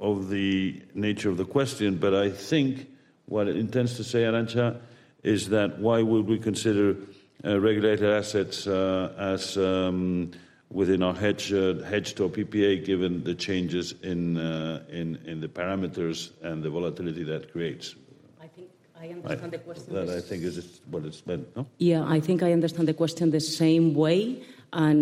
of the nature of the question, but I think what it intends to say, Arantza, is that why would we consider regulated assets as within our hedge to our PPA, given the changes in the parameters and the volatility that creates? I think I understand the question. That I think is what it's meant, no? Yeah, I think I understand the question the same way. I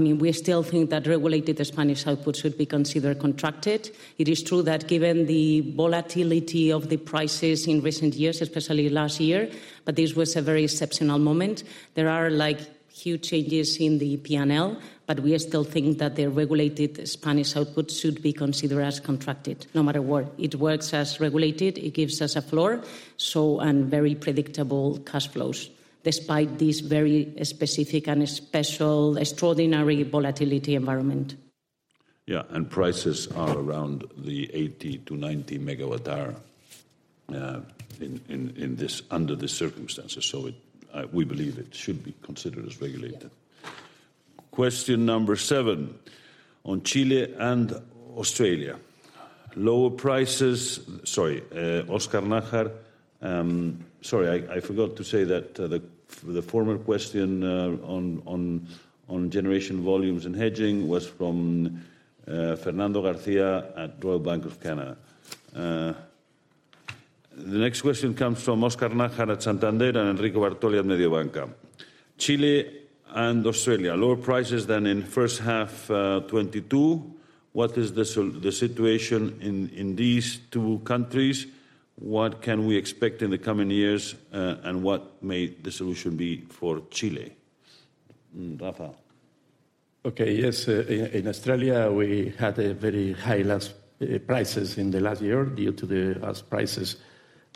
mean, we still think that regulated Spanish output should be considered contracted. It is true that given the volatility of the prices in recent years, especially last year, but this was a very exceptional moment. There are, like, huge changes in the P&L, but we still think that the regulated Spanish output should be considered as contracted, no matter what. It works as regulated, it gives us a floor, so, and very predictable cash flows, despite this very specific and special, extraordinary volatility environment. Yeah, prices are around 80 MWh to 90 MWh under these circumstances, so it, we believe it should be considered as regulated. Question number seven on Chile and Australia. Lower prices- Sorry, Oscar Najar, Sorry, I forgot to say that the former question on generation volumes and hedging was from Fernando Garcia at Royal Bank of Canada. The next question comes from Oscar Najar at Santander and Enrico Bartoli at Mediobanca. Chile and Australia, lower prices than in first half 2022. What is the situation in these two countries? What can we expect in the coming years, and what may the solution be for Chile? Rafael. Okay, yes, in Australia, we had a very high last prices in the last year as prices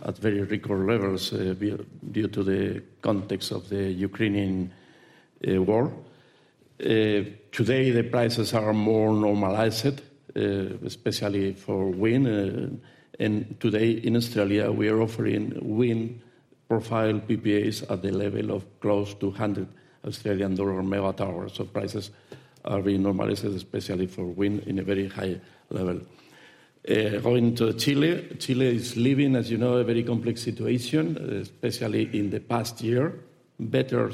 at very record levels, due to the context of the Ukraine war. Today, the prices are more normalized, especially for wind, and today in Australia, we are offering wind profile PPAs at the level of close to 100 Australian dollar/MWh. Prices are being normalized, especially for wind, in a very high level. Going to Chile, Chile is living, as you know, a very complex situation, especially in the past year. Better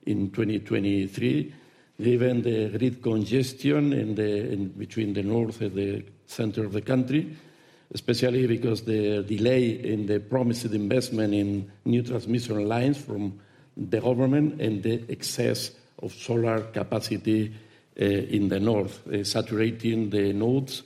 situation in 2023, given the grid congestion in the, in between the North and the Center of the country, especially because the delay in the promised investment in new transmission lines from the government and the excess of solar capacity in the North, saturating the nodes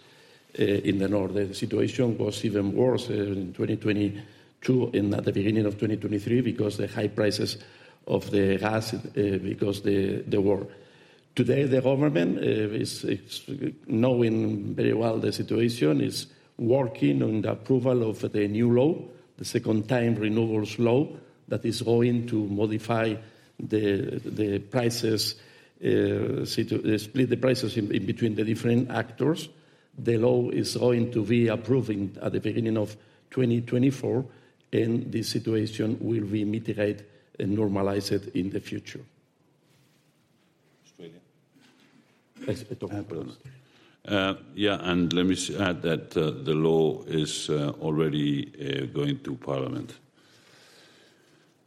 in the North. The situation was even worse in 2022 and at the beginning of 2023 because the high prices of the gas, because the, the war. Today, the government is, is knowing very well the situation, is working on the approval of the new law, the Second Time Renewables Law, that is going to modify the, the prices, split the prices in, between the different actors. The law is going to be approving at the beginning of 2024, and the situation will be mitigated and normalized in the future. Australia? Yes, doctor, please. Yeah, and let me add that the law is already going to parliament,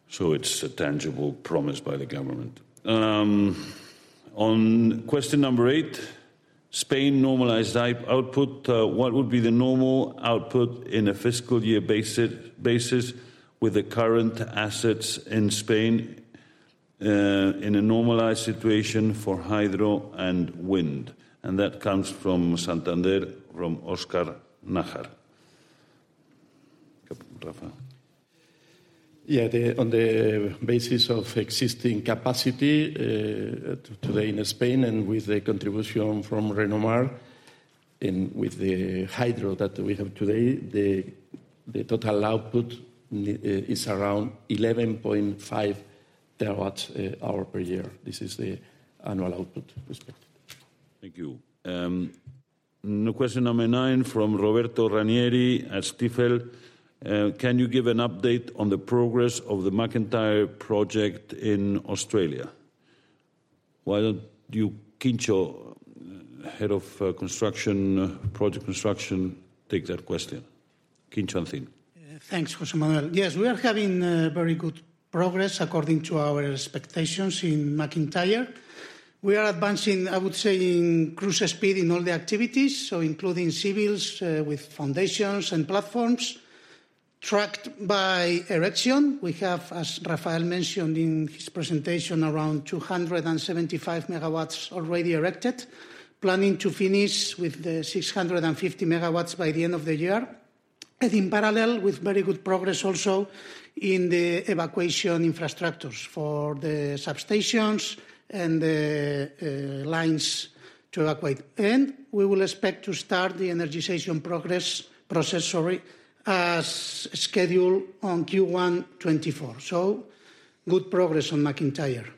so it's a tangible promise by the government. On question number eight, Spain normalized output. What would be the normal output in a fiscal year basis, basis, with the current assets in Spain, in a normalized situation for hydro and wind? That comes from Santander, from Oscar Najar. Rafael? Yeah, the, on the basis of existing capacity, today in Spain, and with the contribution from Renomar, and with the hydro that we have today, the, the total output is around 11.5 terawatts hour per year. This is the annual output. Respect. Thank you. Now question number nine from Roberto Ranieri at Stifel: Can you give an update on the progress of the MacIntyre project in Australia? Why don't you, Quincho, head of construction, project construction, take that question? Quincho Antin. Thanks, José Manuel. Yes, we are having very good progress according to our expectations in MacIntyre. We are advancing, I would say, in cruise speed in all the activities, so including civils, with foundations and platforms, tracked by erection. We have, as Rafael mentioned in his presentation, around 275 MW already erected, planning to finish with the 650 MW by the end of the year. And in parallel, with very good progress also in the evacuation infrastructures for the substations and the lines to evacuate. And we will expect to start the energization progress, process, sorry, as scheduled on Q1 2024. Good progress on MacIntyre. Thank you, Quincho.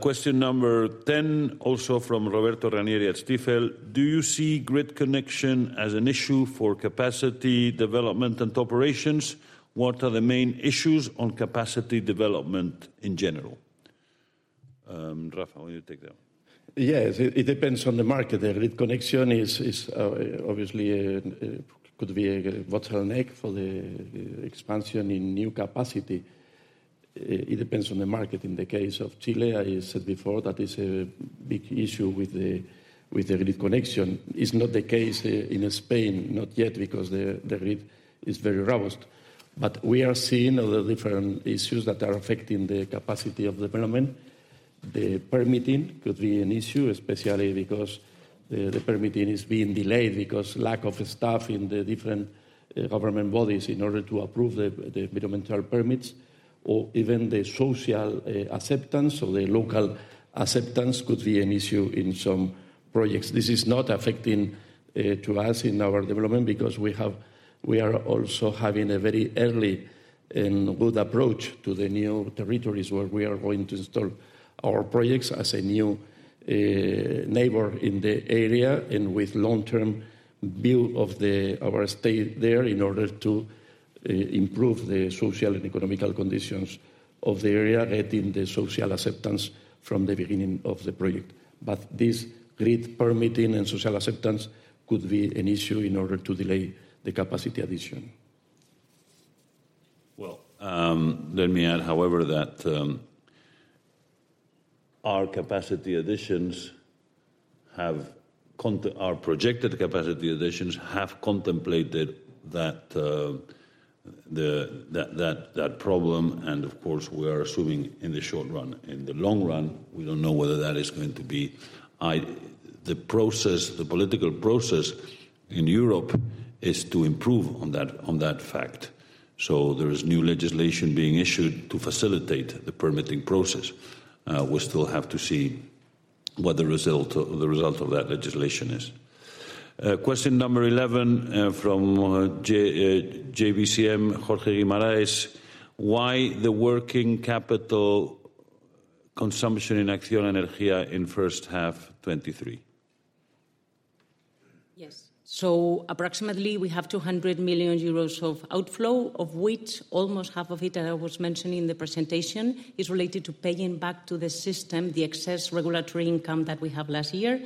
question number 10, also from Roberto Ranieri at Stifel: Do you see grid connection as an issue for capacity, development, and operations? What are the main issues on capacity development in general? Rafael, will you take that one? Yes, it depends on the market. The grid connection is obviously could be a bottleneck for the expansion in new capacity. It depends on the market. In the case of Chile, I said before, that is a big issue with the grid connection. It's not the case in Spain, not yet, because the grid is very robust. We are seeing other different issues that are affecting the capacity of development. The permitting could be an issue, especially because the permitting is being delayed because lack of staff in the different government bodies in order to approve the developmental permits, or even the social acceptance or the local acceptance could be an issue in some projects. This is not affecting to us in our development because we are also having a very early and good approach to the new territories where we are going to install our projects as a new neighbor in the area and with long-term view of the, our stay there in order to improve the social and economical conditions of the area, getting the social acceptance from the beginning of the project. This grid permitting and social acceptance could be an issue in order to delay the capacity addition. Well, let me add, however, that our capacity additions have our projected capacity additions have contemplated that the, that, that, that problem, and of course, we are assuming in the short run. In the long run, we don't know whether that is going to be. The process, the political process in Europe is to improve on that, on that fact. So there is new legislation being issued to facilitate the permitting process. We still have to see what the result of, the result of that legislation is. Question number 11, from JVCM, Jorge Guimaraes: Why the working capital consumption in ACCIONA Energía in H1 2023? Yes. Approximately, we have 200 million euros of outflow, of which almost half of it, as I was mentioning in the presentation, is related to paying back to the system the excess regulatory income that we have last year.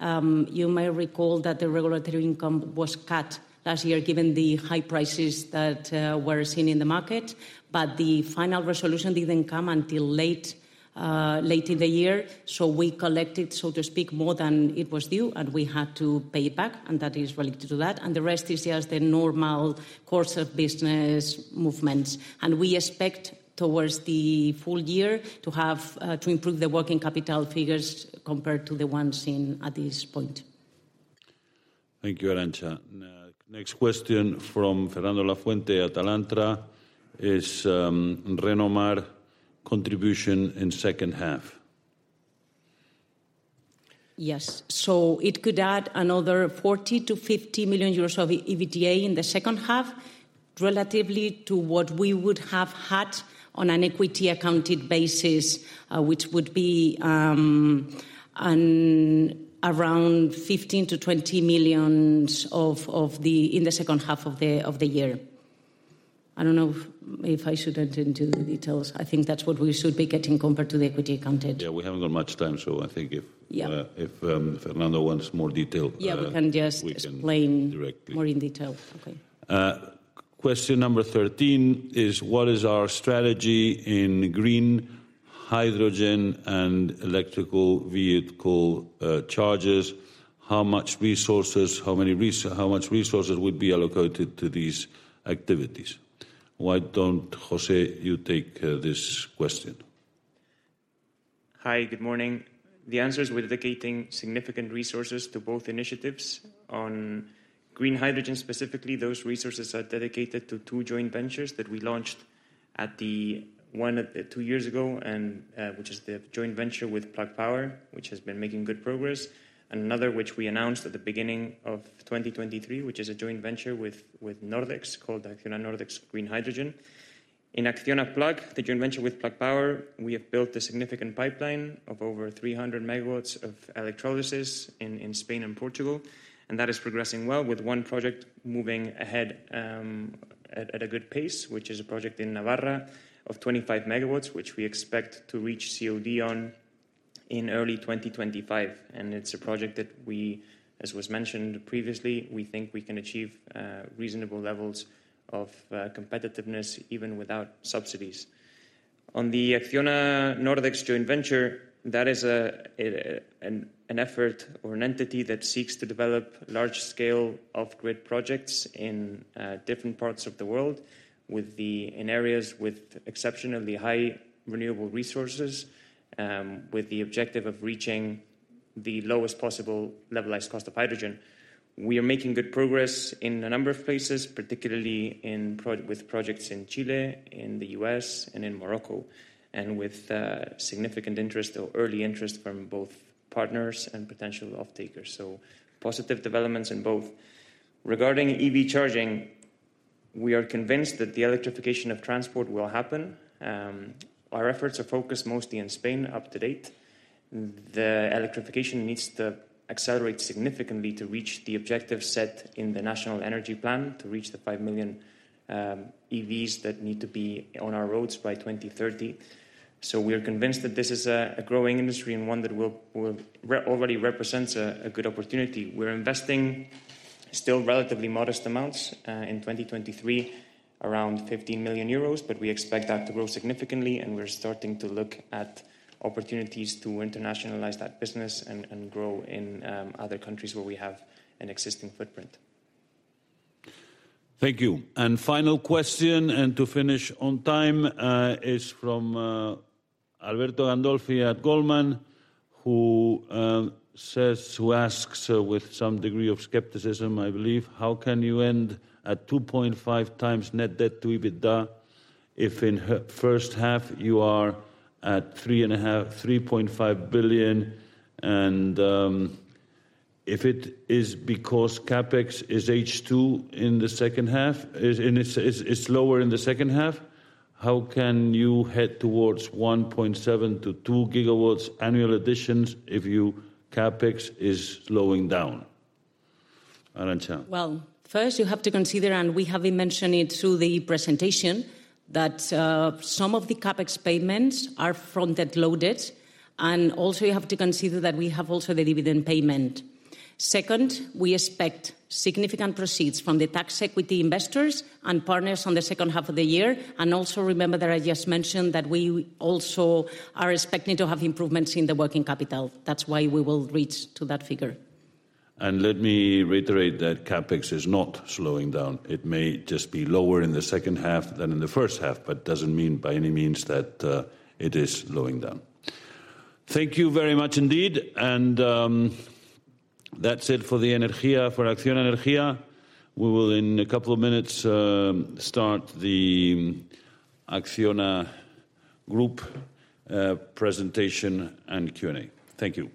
You may recall that the regulatory income was cut last year, given the high prices that were seen in the market, but the final resolution didn't come until late, late in the year. We collected, so to speak, more than it was due, and we had to pay it back, and that is related to that. The rest is just the normal course of business movements. We expect, towards the full year, to improve the working capital figures compared to the ones seen at this point. Thank you, Arantza. Next question from Fernando Lafuente at Alantra, is Renomar contribution in second half? Yes. It could add another 40 million to 50 million euros of EBITDA in the second half, relatively to what we would have had on an equity accounted basis, which would be around 15 million to 20 million in the second half of the year. I don't know if I should enter into the details. I think that's what we should be getting compared to the equity accounted. Yeah, we haven't got much time, so I think. Yeah... if Fernando wants more detail. Yeah, we can. We can- - explain- directly... more in detail. Okay. Question number 13 is: What is our strategy in green hydrogen and electrical vehicle chargers? How much resources, how many how much resources would be allocated to these activities? Why don't, José, you take this question? Hi, good morning. The answer is we're dedicating significant resources to both initiatives. On green hydrogen, specifically, those resources are dedicated to two joint ventures that we launched. One, two years ago, and which is the joint venture with Plug Power, which has been making good progress. Another, which we announced at the beginning of 2023, which is a joint venture with, with Nordex, called Acciona Nordex Green Hydrogen. In Acciona Plug, the joint venture with Plug Power, we have built a significant pipeline of over 300 MW of electrolysis in, in Spain and Portugal, and that is progressing well, with one project moving ahead, at, at a good pace, which is a project in Navarra of 25 MW, which we expect to reach COD on in early 2025. It's a project that we, as was mentioned previously, we think we can achieve reasonable levels of competitiveness even without subsidies. On the Acciona Nordex joint venture, that is an effort or an entity that seeks to develop large-scale off-grid projects in different parts of the world, in areas with exceptionally high renewable resources, with the objective of reaching the lowest possible levelized cost of hydrogen. We are making good progress in a number of places, particularly with projects in Chile, in the U.S., and in Morocco, and with significant interest or early interest from both partners and potential off-takers. Positive developments in both. Regarding EV charging, we are convinced that the electrification of transport will happen. Our efforts are focused mostly in Spain up to date. The electrification needs to accelerate significantly to reach the objective set in the National Energy Plan, to reach the five million EVs that need to be on our roads by 2030. We are convinced that this is a, a growing industry and one that will already represents a, a good opportunity. We're investing still relatively modest amounts in 2023, around 15 million euros, but we expect that to grow significantly, and we're starting to look at opportunities to internationalize that business and, and grow in other countries where we have an existing footprint. Thank you. Final question, and to finish on time, is from Alberto Gandolfi at Goldman, who says, who asks, with some degree of skepticism, I believe: How can you end at 2.5 times net debt to EBITDA, if in first half you are at 3.5 billion and if it is because CapEx is H2 in the second half, is, and it's, it's, it's lower in the second half, how can you head towards 1.7 GW to 2 GW annual additions if you CapEx is slowing down? Arantza. Well, first you have to consider, and we have mentioned it through the presentation, that, some of the CapEx payments are front-loaded. Also, you have to consider that we have also the dividend payment. Second, we expect significant proceeds from the tax equity investors and partners on the second half of the year. Also, remember that I just mentioned that we also are expecting to have improvements in the working capital. That's why we will reach to that figure. Let me reiterate that CapEx is not slowing down. It may just be lower in the second half than in the first half, but doesn't mean by any means that it is slowing down. Thank you very much indeed, and that's it for the Energía, for ACCIONA Energía. We will, in a couple of minutes, start the Acciona Group presentation and Q&A. Thank you.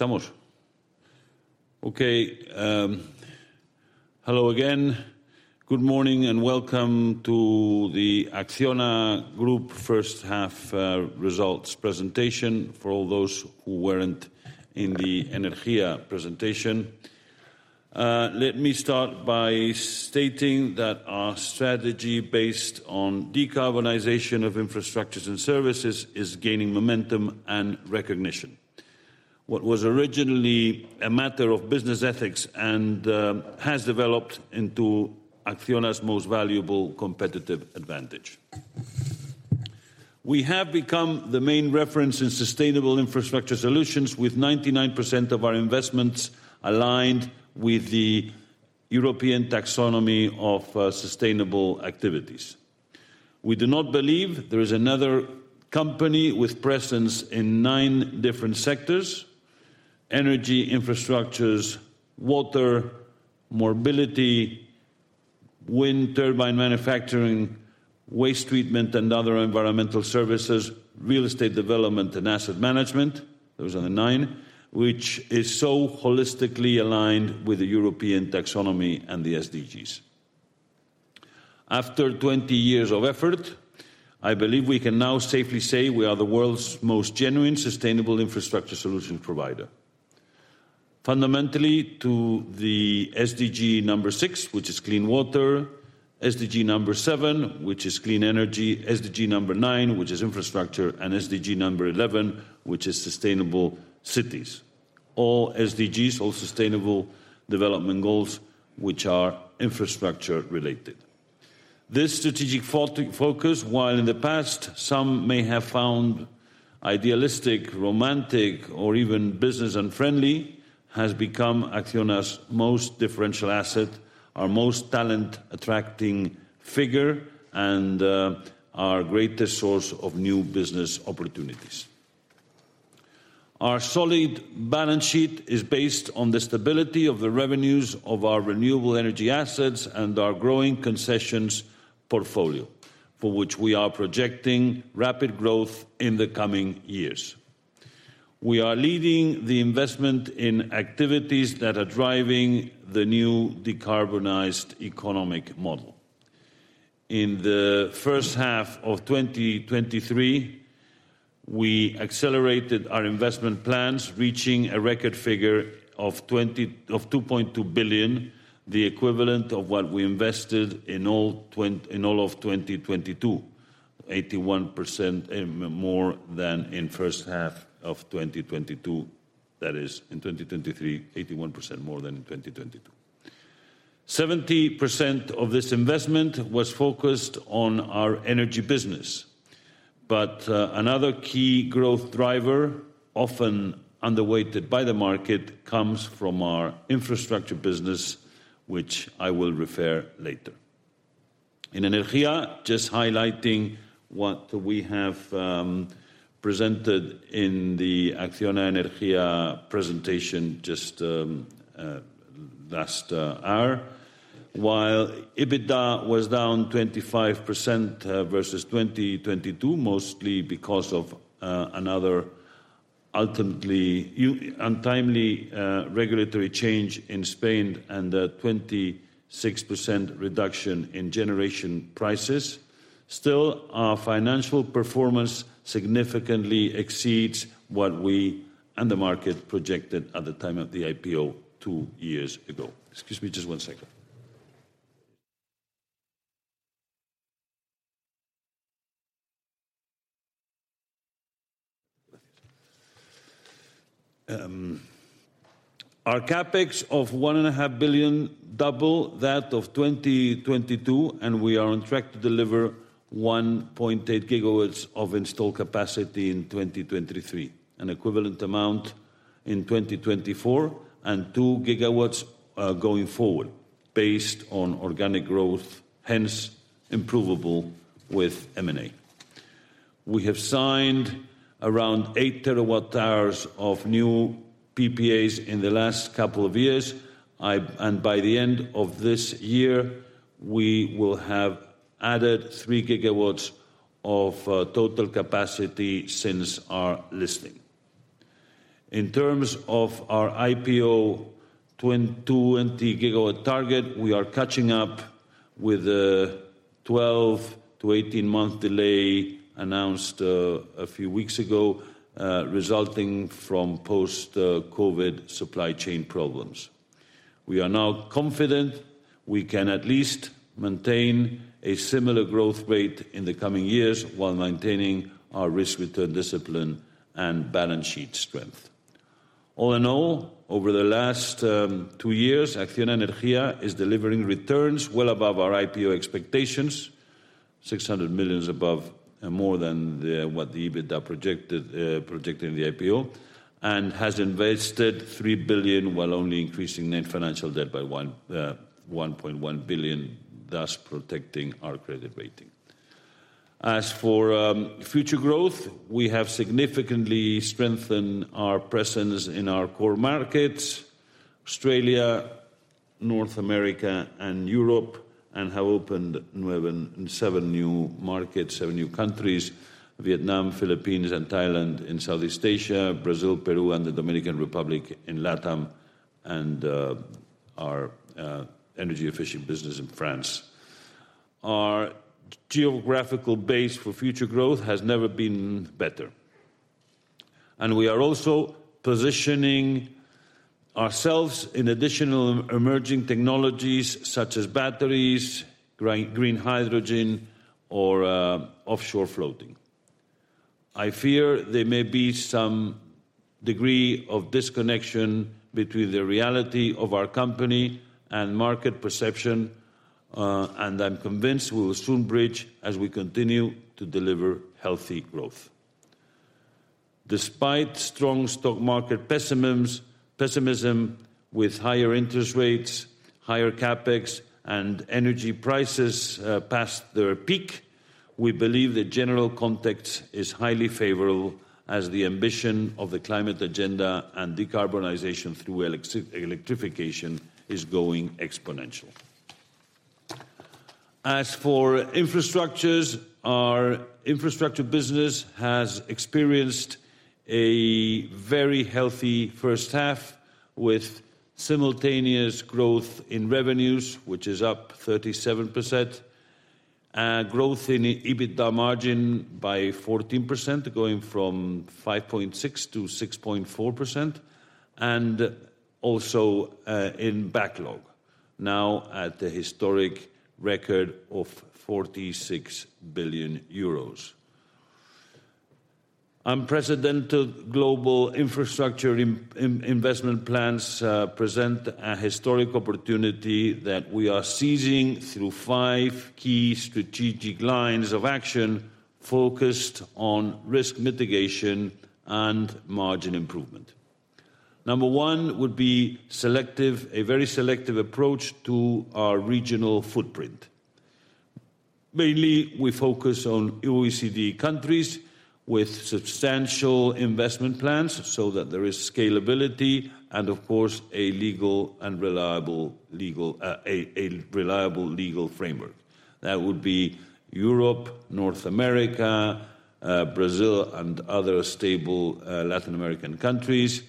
Estamos? Okay, hello again. Good morning, and welcome to the Acciona Group first half results presentation, for all those who weren't in the Energía presentation. Let me start by stating that our strategy based on decarbonization of infrastructures and services is gaining momentum and recognition. What was originally a matter of business ethics and has developed into ACCIONA's most valuable competitive advantage. We have become the main reference in sustainable infrastructure solutions, with 99% of our investments aligned with the European taxonomy of sustainable activities. We do not believe there is another company with presence in nine different sectors: energy, infrastructures, water, mobility, wind turbine manufacturing, waste treatment, and other environmental services, real estate development, and asset management. Those are the nine, which is so holistically aligned with the European taxonomy and the SDGs. After 20 years of effort, I believe we can now safely say we are the world's most genuine sustainable infrastructure solution provider. Fundamentally, to the SDG number six, which is clean water; SDG number seven, which is clean energy; SDG number nine, which is infrastructure; and SDG number 11, which is sustainable cities. All SDGs, all sustainable development goals, which are infrastructure-related. This strategic focus, while in the past some may have found idealistic, romantic, or even business unfriendly, has become Acciona's most differential asset, our most talent-attracting figure, and our greatest source of new business opportunities. Our solid balance sheet is based on the stability of the revenues of our renewable energy assets and our growing concessions portfolio, for which we are projecting rapid growth in the coming years. We are leading the investment in activities that are driving the new decarbonized economic model. In H1 2023, we accelerated our investment plans, reaching a record figure of 2.2 billion, the equivalent of what we invested in all of 2022. 81% more than in H1 2022. That is, in 2023, 81% more than in 2022. 70% of this investment was focused on our energy business. Another key growth driver, often underweighted by the market, comes from our infrastructure business, which I will refer later. In Energía, just highlighting what we have presented in the ACCIONA Energía presentation just last hour. While EBITDA was down 25% versus 2022, mostly because of another ultimately untimely regulatory change in Spain and a 26% reduction in generation prices, still, our financial performance significantly exceeds what we and the market projected at the time of the IPO two years ago. Excuse me, just one second. Our CapEx of 1.5 billion, double that of 2022. We are on track to deliver 1.8 GW of installed capacity in 2023, an equivalent amount in 2024, and 2 GW going forward, based on organic growth, hence improvable with M&A. We have signed around 8 TWh of new PPAs in the last couple of years. By the end of this year, we will have added 3 GW of total capacity since our listing. In terms of our IPO, 20 GW target, we are catching up with a 12 to 18 month delay announced a few weeks ago, resulting from post COVID supply chain problems. We are now confident we can at least maintain a similar growth rate in the coming years, while maintaining our risk-return discipline and balance sheet strength. All in all, over the last two years, ACCIONA Energía is delivering returns well above our IPO expectations, 600 million above, and more than what the EBITDA projected in the IPO, and has invested 3 billion, while only increasing net financial debt by 1.1 billion, thus protecting our credit rating. As for future growth, we have significantly strengthened our presence in our core markets, Australia, North America, and Europe, and have opened seven new markets, seven new countries: Vietnam, Philippines, and Thailand in Southeast Asia, Brazil, Peru, and the Dominican Republic in LATAM, and our energy-efficient business in France. Our geographical base for future growth has never been better. We are also positioning ourselves in additional emerging technologies such as batteries, green hydrogen, or offshore floating. I fear there may be some degree of disconnection between the reality of our company and market perception, and I'm convinced we will soon bridge as we continue to deliver healthy growth. Despite strong stock market pessimisms, pessimism with higher interest rates, higher CapEx, and energy prices past their peak, we believe the general context is highly favorable, as the ambition of the climate agenda and decarbonization through electrification is going exponential. As for infrastructures, our infrastructure business has experienced a very healthy first half, with simultaneous growth in revenues, which is up 37%, and growth in EBITDA margin by 14%, going from 5.6% to 6.4%, and also in backlog, now at a historic record of 46 billion euros. Unprecedented global infrastructure in investment plans present a historic opportunity that we are seizing through five key strategic lines of action focused on risk mitigation and margin improvement. Number one would be selective, a very selective approach to our regional footprint. Mainly, we focus on OECD countries with substantial investment plans so that there is scalability and, of course, a legal and reliable legal, a reliable legal framework. That would be Europe, North America, Brazil, and other stable Latin American countries,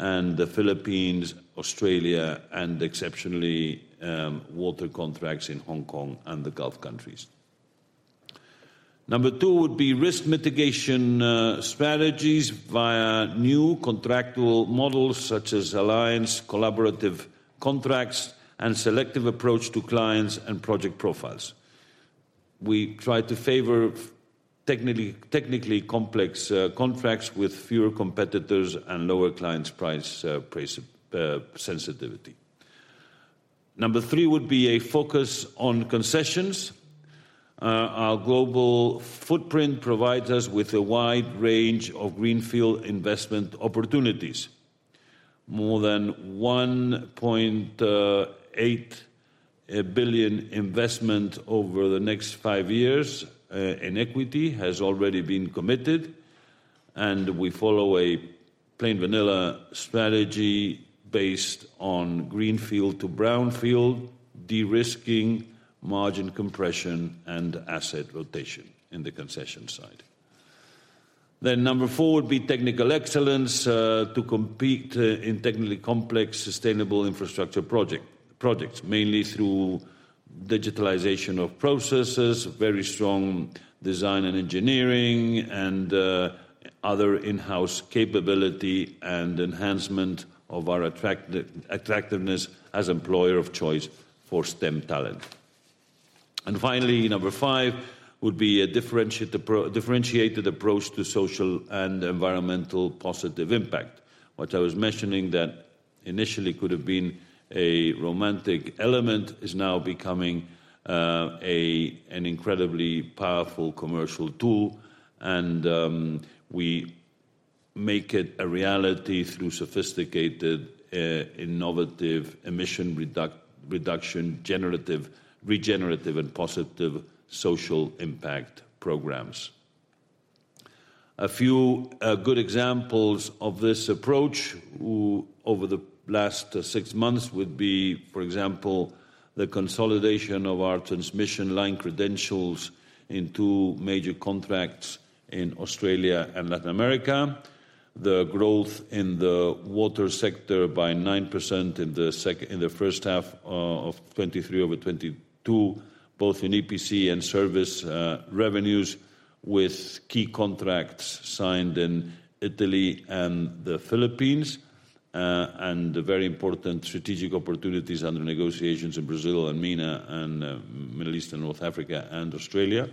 and the Philippines, Australia, and exceptionally, water contracts in Hong Kong and the Gulf countries. Number two would be risk mitigation strategies via new contractual models, such as alliance, collaborative- contracts and selective approach to clients and project profiles. We try to favor technically complex contracts with fewer competitors and lower clients' price sensitivity. Number three would be a focus on concessions. Our global footprint provides us with a wide range of greenfield investment opportunities. More than 1.8 billion investment over the next five years in equity has already been committed. We follow a plain vanilla strategy based on greenfield to brownfield, de-risking, margin compression, and asset rotation in the concession side. Number four would be technical excellence to compete in technically complex, sustainable infrastructure projects, mainly through digitalization of processes, very strong design and engineering, and other in-house capability and enhancement of our attractiveness as employer of choice for STEM talent. Finally, number five would be a differentiated approach to social and environmental positive impact. What I was mentioning that initially could have been a romantic element is now becoming, a, an incredibly powerful commercial tool, and we make it a reality through sophisticated, innovative emission reduction, generative, regenerative, and positive social impact programs. A few good examples of this approach, over the last six months, would be, for example, the consolidation of our transmission line credentials in two major contracts in Australia and Latin America, the growth in the water sector by 9% in the first half of 2023 over 2022, both in EPC and service revenues, with key contracts signed in Italy and the Philippines, and very important strategic opportunities under negotiations in Brazil and MENA, and Middle East and North Africa, and Australia.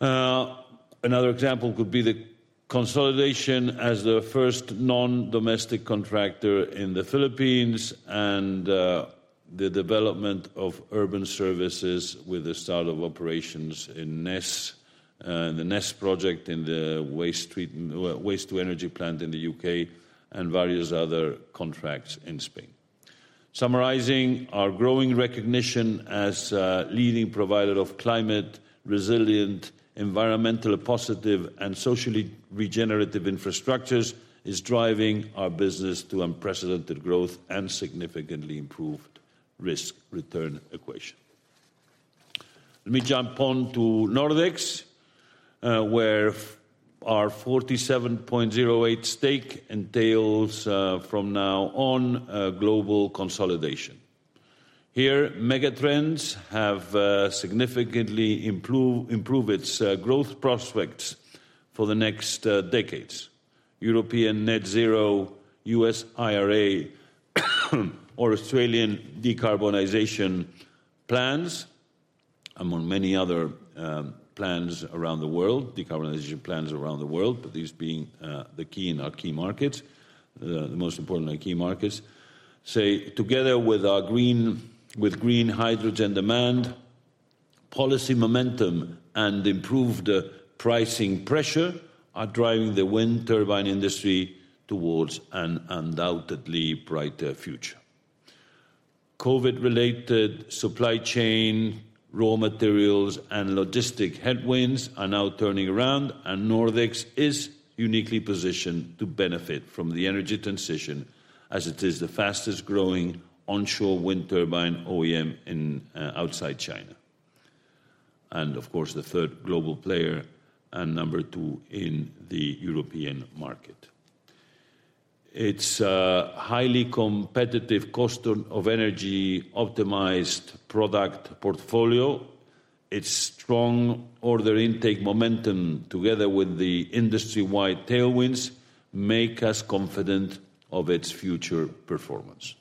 Another example could be the consolidation as the first non-domestic contractor in the Philippines and the development of urban services with the start of operations in NES, the NES project in the waste treat, waste-to-energy plant in the U.K., and various other contracts in Spain. Summarizing, our growing recognition as a leading provider of climate-resilient, environmental positive, and socially regenerative infrastructures is driving our business to unprecedented growth and significantly improved risk-return equation. Let me jump on to Nordex, where our 47.08 stake entails, from now on, a global consolidation. Here, megatrends have significantly improve, improved its growth prospects for the next decades. European Net Zero, U.S. IRA, or Australian decarbonization plans, among many other plans around the world, decarbonization plans around the world, these being the key in our key markets, the most important are key markets. Together with our green, with green hydrogen demand, policy momentum, and improved pricing pressure are driving the wind turbine industry towards an undoubtedly brighter future. COVID-related supply chain, raw materials, and logistic headwinds are now turning around. Nordex is uniquely positioned to benefit from the energy transition, as it is the fastest-growing onshore wind turbine OEM outside China, and of course, the third global player and number two in the European market. Its highly competitive cost of energy-optimized product portfolio, its strong order intake momentum, together with the industry-wide tailwinds, make us confident of its future performance.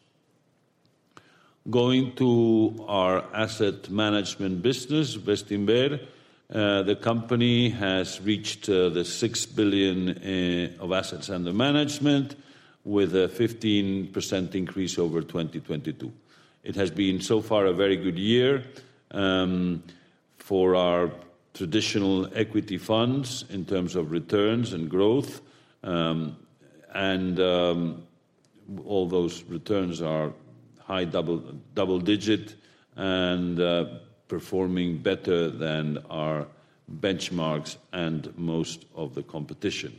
Going to our asset management business, Bestinver, the company has reached 6 billion of assets under management, with a 15% increase over 2022. It has been so far a very good year for our traditional equity funds in terms of returns and growth. All those returns are high double, double digit and performing better than our benchmarks and most of the competition.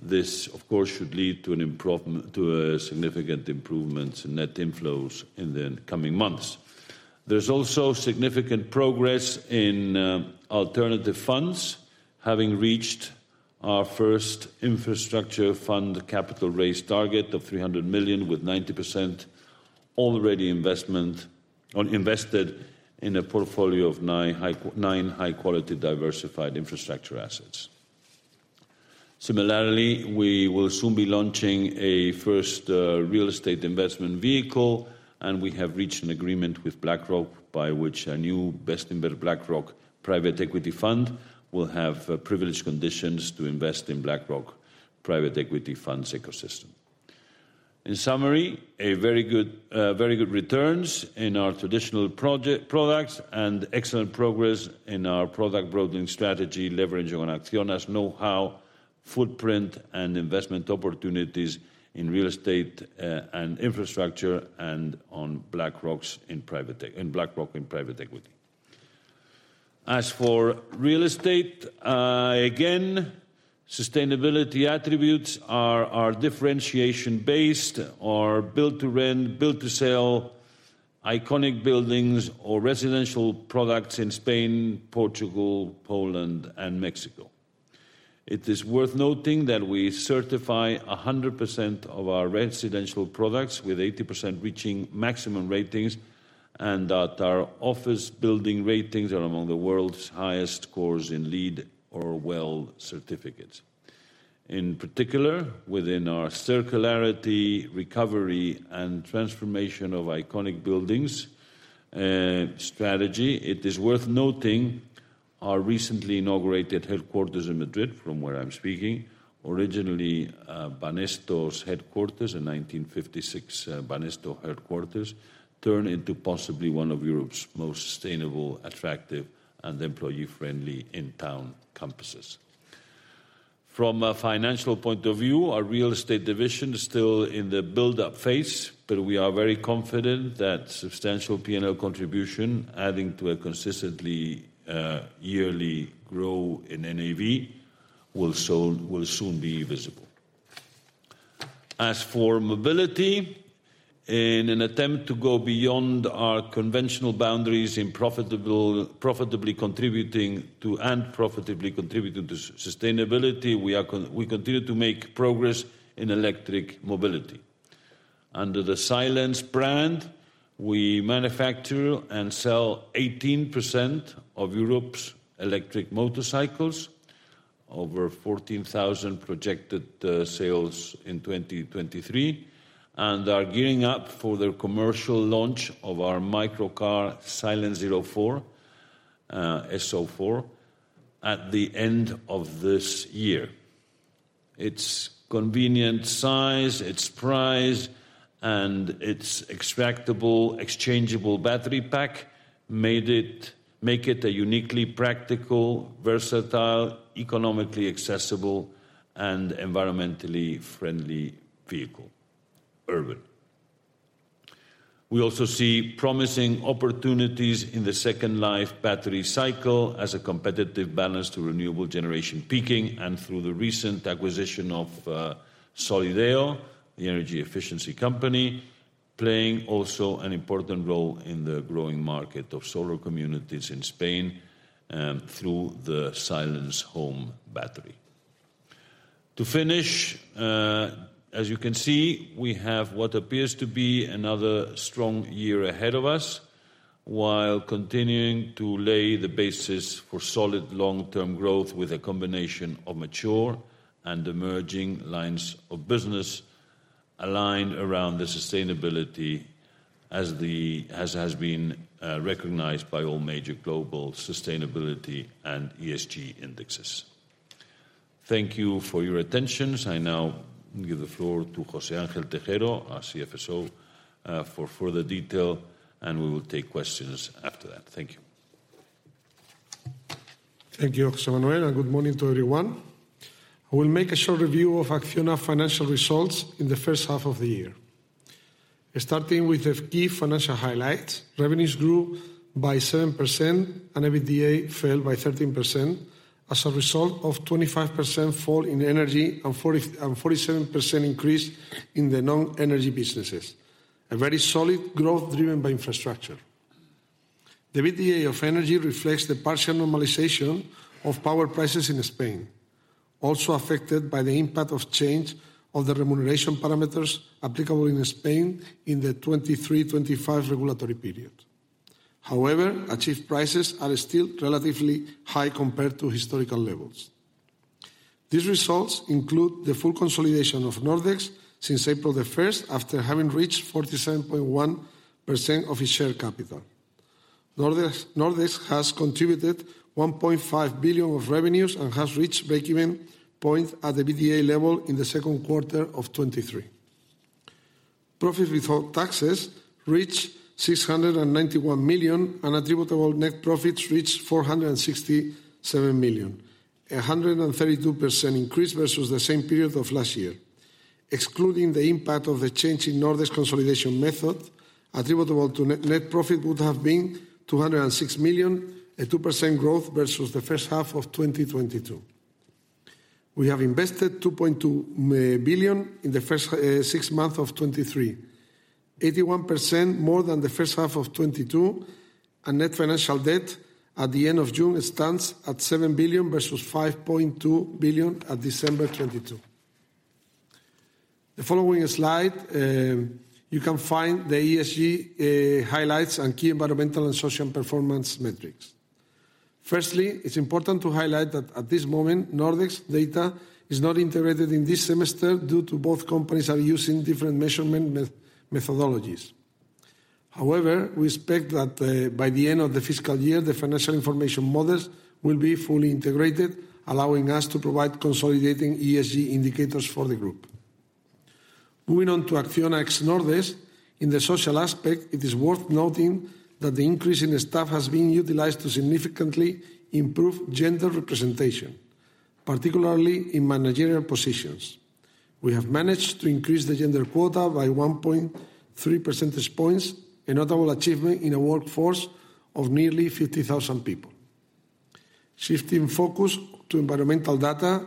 This, of course, should lead to significant improvements in net inflows in the coming months. There's also significant progress in alternative funds, having reached our first infrastructure fund capital raise target of 300 million, with 90% already invested in a portfolio of nine high-quality, diversified infrastructure assets. similarly, we will soon be launching a first real estate investment vehicle, and we have reached an agreement with BlackRock, by which a new Bestinver BlackRock private equity fund will have privileged conditions to invest in BlackRock private equity fund's ecosystem. In summary, a very good, very good returns in our traditional products, and excellent progress in our product broadening strategy, leveraging on Acciona's know-how, footprint, and investment opportunities in real estate, and infrastructure, and on BlackRock's in BlackRock in private equity. As for real estate, again, sustainability attributes are, are differentiation based, are build to rent, build to sell, iconic buildings or residential products in Spain, Portugal, Poland, and Mexico. It is worth noting that we certify 100% of our residential products, with 80% reaching maximum ratings, and that our office building ratings are among the world's highest scores in LEED or WELL certificates. In particular, within our circularity, recovery, and transformation of iconic buildings, strategy, it is worth noting our recently inaugurated headquarters in Madrid, from where I'm speaking. Originally, Banesto's headquarters, in 1956, Banesto headquarters, turned into possibly one of Europe's most sustainable, attractive, and employee-friendly in-town campuses. From a financial point of view, our real estate division is still in the build-up phase, but we are very confident that substantial P&L contribution, adding to a consistently, yearly growth in NAV, will soon be visible. As for mobility, in an attempt to go beyond our conventional boundaries in profitable, profitably contributing to, and profitably contributing to sustainability, we continue to make progress in electric mobility. Under the Silence brand, we manufacture and sell 18% of Europe's electric motorcycles, over 14,000 projected sales in 2023, and are gearing up for the commercial launch of our microcar, Silence Zero Four, SO4, at the end of this year. Its convenient size, its price, and its extractable, exchangeable battery pack make it a uniquely practical, versatile, economically accessible, and environmentally friendly vehicle, urban. We also see promising opportunities in the second life battery cycle as a competitive balance to renewable generation peaking, and through the recent acquisition of Solideo, the energy efficiency company, playing also an important role in the growing market of solar communities in Spain, through the Silence Home battery. To finish, as you can see, we have what appears to be another strong year ahead of us, while continuing to lay the basis for solid long-term growth with a combination of mature and emerging lines of business aligned around the sustainability as the, as has been recognized by all major global sustainability and ESG indexes. Thank you for your attention. I now give the floor to José Ángel Tejero, our CFSO, for further detail, we will take questions after that. Thank you. Thank you, José Manuel. Good morning to everyone. I will make a short review of ACCIONA financial results in the first half of the year. Starting with the key financial highlights, revenues grew by 7%, and EBITDA fell by 13%, as a result of 25% fall in energy and 47% increase in the non-energy businesses. A very solid growth driven by infrastructure. The EBITDA of energy reflects the partial normalization of power prices in Spain, also affected by the impact of change of the remuneration parameters applicable in Spain in the 2023, 2025 regulatory period. However, achieved prices are still relatively high compared to historical levels. These results include the full consolidation of Nordex since April 1st, after having reached 47.1% of its share capital. Nordex, Nordex has contributed 1.5 billion of revenues and has reached breakeven point at the EBITDA level in the second quarter of 2023. Profits before taxes reached 691 million, and attributable net profits reached 467 million, a 132% increase versus the same period of last year. Excluding the impact of the change in Nordex consolidation method, attributable to net, net profit would have been 206 million, a 2% growth versus the first half of 2022. We have invested 2.2 billion in the first six months of 2023, 81% more than the first half of 2022, and net financial debt at the end of June stands at 7 billion versus 5.2 billion at December 2022. The following slide, you can find the ESG highlights and key environmental and social performance metrics. Firstly, it's important to highlight that at this moment, Nordex data is not integrated in this semester due to both companies are using different measurement methodologies. However, we expect that by the end of the fiscal year, the financial information models will be fully integrated, allowing us to provide consolidating ESG indicators for the group. Moving on to ACCIONA Nordex, in the social aspect, it is worth noting that the increase in the staff has been utilized to significantly improve gender representation, particularly in managerial positions. We have managed to increase the gender quota by 1.3 percentage points, a notable achievement in a workforce of nearly 50,000 people. Shifting focus to environmental data,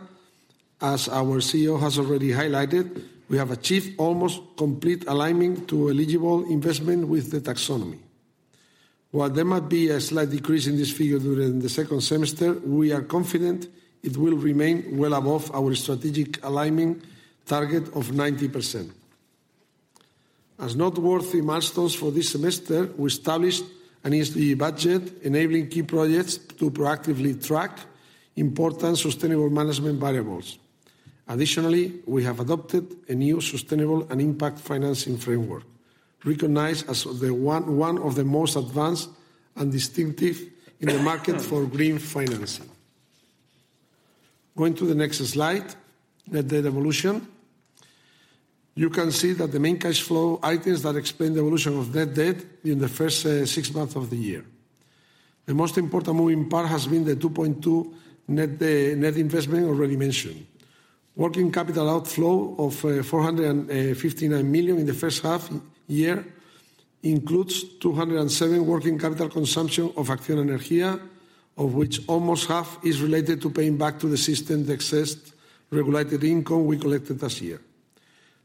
as our CEO has already highlighted, we have achieved almost complete alignment to eligible investment with the taxonomy. While there might be a slight decrease in this figure during the second semester, we are confident it will remain well above our strategic alignment target of 90%. As noteworthy milestones for this semester, we established an ESG budget, enabling key projects to proactively track important sustainable management variables. Additionally, we have adopted a new sustainable and impact financing framework, recognized as the one, 1 of the most advanced and distinctive in the market for green financing. Going to the next slide, net debt evolution. You can see that the main cash flow items that explain the evolution of net debt in the first 6 months of the year. The most important moving part has been the 2.2 billion net investment already mentioned. Working capital outflow of 459 million in the first half year includes 207 million working capital consumption of ACCIONA Energía, of which almost half is related to paying back to the system the excess regulated income we collected this year.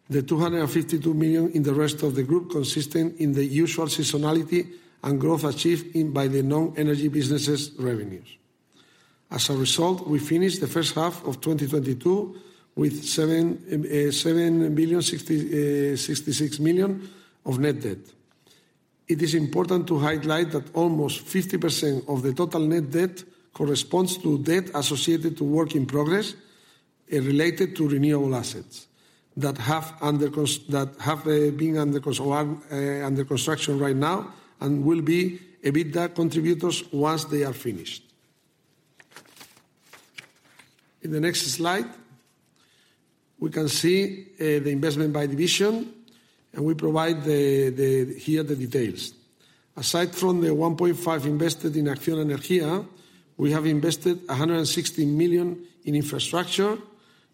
The 252 million in the rest of the group consistent in the usual seasonality and growth achieved in by the non-energy businesses' revenues. As a result, we finished the first half of 2022 with 7 billion 66 million of net debt. It is important to highlight that almost 50% of the total net debt corresponds to debt associated to work in progress related to renewable assets that have under con... That have been under construction right now and will be EBITDA contributors once they are finished. In the next slide, we can see the investment by division, and we provide here the details. Aside from the 1.5 invested in ACCIONA Energía, we have invested 160 million in infrastructure,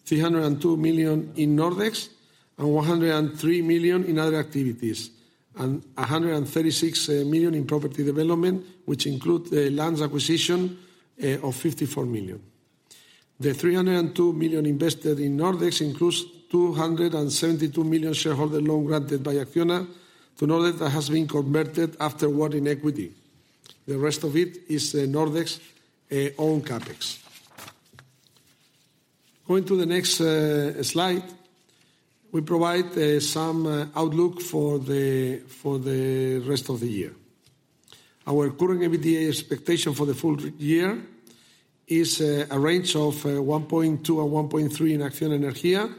302 million in Nordex, 103 million in other activities, and 136 million in property development, which include the lands acquisition of 54 million. The 302 million invested in Nordex includes 272 million shareholder loan granted by Acciona to Nordex that has been converted afterward in equity. The rest of it is Nordex own CapEx. Going to the next slide, we provide some outlook for the rest of the year. Our current EBITDA expectation for the full year is a range of 1.2 billion and 1.3 billion in ACCIONA Energía,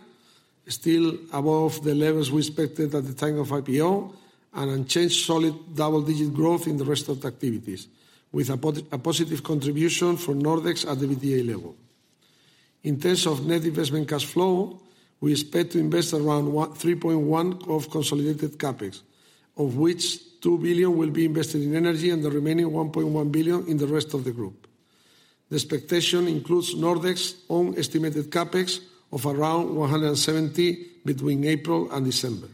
still above the levels we expected at the time of IPO, and unchanged solid double-digit growth in the rest of the activities, with a positive contribution from Nordex at the EBITDA level. In terms of net investment cash flow, we expect to invest around 3.1 billion of consolidated CapEx, of which 2 billion will be invested in energy and the remaining 1.1 billion in the rest of the group. The expectation includes Nordex's own estimated CapEx of around 170 million between April and December.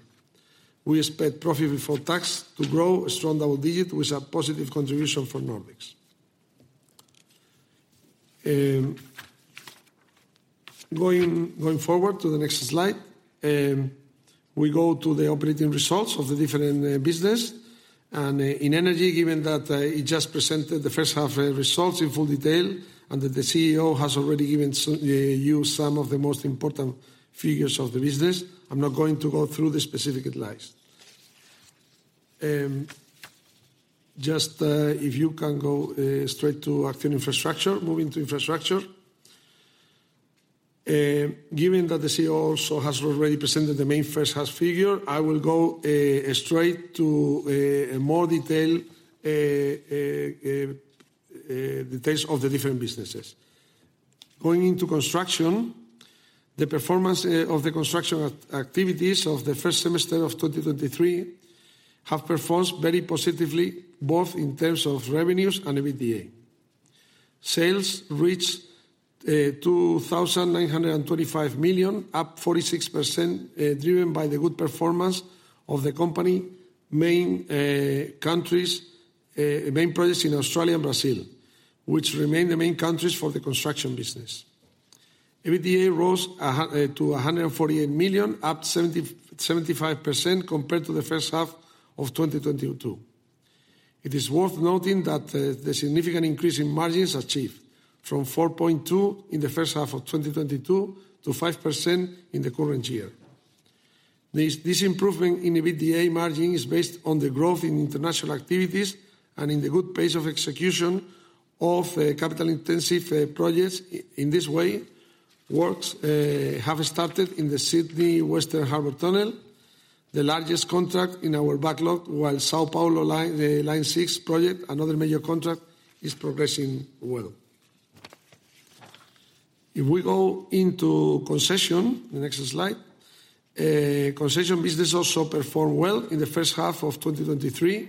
We expect profit before tax to grow a strong double digit with a positive contribution from Nordex. Going, going forward to the next slide, we go to the operating results of the different business. In energy, given that it just presented the first half results in full detail, and that the CEO has already given you some of the most important figures of the business, I'm not going to go through the specific lines. Just, if you can go straight to Acciona infrastructure. Moving to infrastructure, given that the CEO also has already presented the main first half figure, I will go straight to more detail details of the different businesses. Going into construction, the performance of the construction activities of the first semester of 2023 have performed very positively, both in terms of revenues and EBITDA. Sales reached 2,925 million, up 46%, driven by the good performance of the company, main countries, main projects in Australia and Brazil, which remain the main countries for the construction business. EBITDA rose to 148 million, up 75% compared to the first half of 2022. It is worth noting that the significant increase in margins achieved from 4.2% in the first half of 2022 to 5% in the current year. This improvement in EBITDA margin is based on the growth in international activities and in the good pace of execution of capital-intensive projects. I-in this way, works have started in the Sydney Western Harbour Tunnel, the largest contract in our backlog, while São Paulo line, the Line Six project, another major contract, is progressing well. If we go into concession, the next slide, concession business also performed well in the first half of 2023,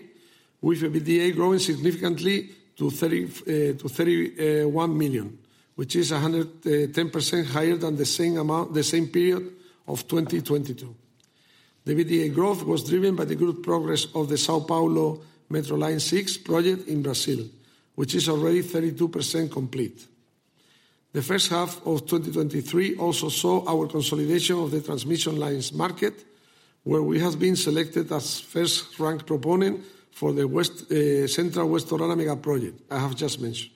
with EBITDA growing significantly to 31 million, which is 110% higher than the same amount, the same period of 2022. The EBITDA growth was driven by the good progress of the São Paulo Metro Line Six project in Brazil, which is already 32% complete. The first half of 2023 also saw our consolidation of the transmission lines market, where we have been selected as first-ranked proponent for the west, Central West Orana mega project I have just mentioned.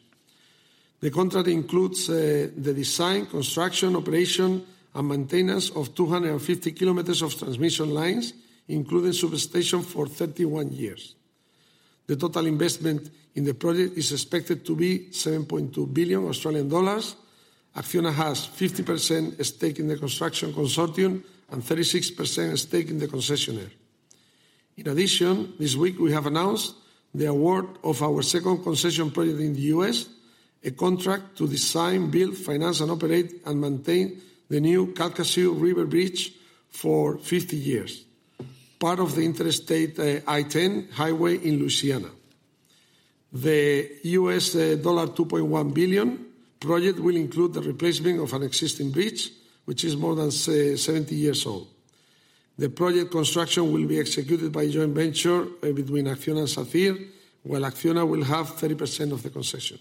The contract includes the design, construction, operation, and maintenance of 250 km of transmission lines, including substation for 31 years. The total investment in the project is expected to be 7.2 billion Australian dollars. Acciona has 50% stake in the construction consortium and 36% stake in the concessionaire. This week we have announced the award of our second concession project in the U.S., a contract to design, build, finance, and operate and maintain the new Calcasieu River Bridge for 50 years, part of the Interstate I-10 highway in Louisiana. The U.S. $2.1 billion project will include the replacement of an existing bridge, which is more than, say, 70 years old. The project construction will be executed by a joint venture between Acciona and Safir, while Acciona will have 30% of the concession.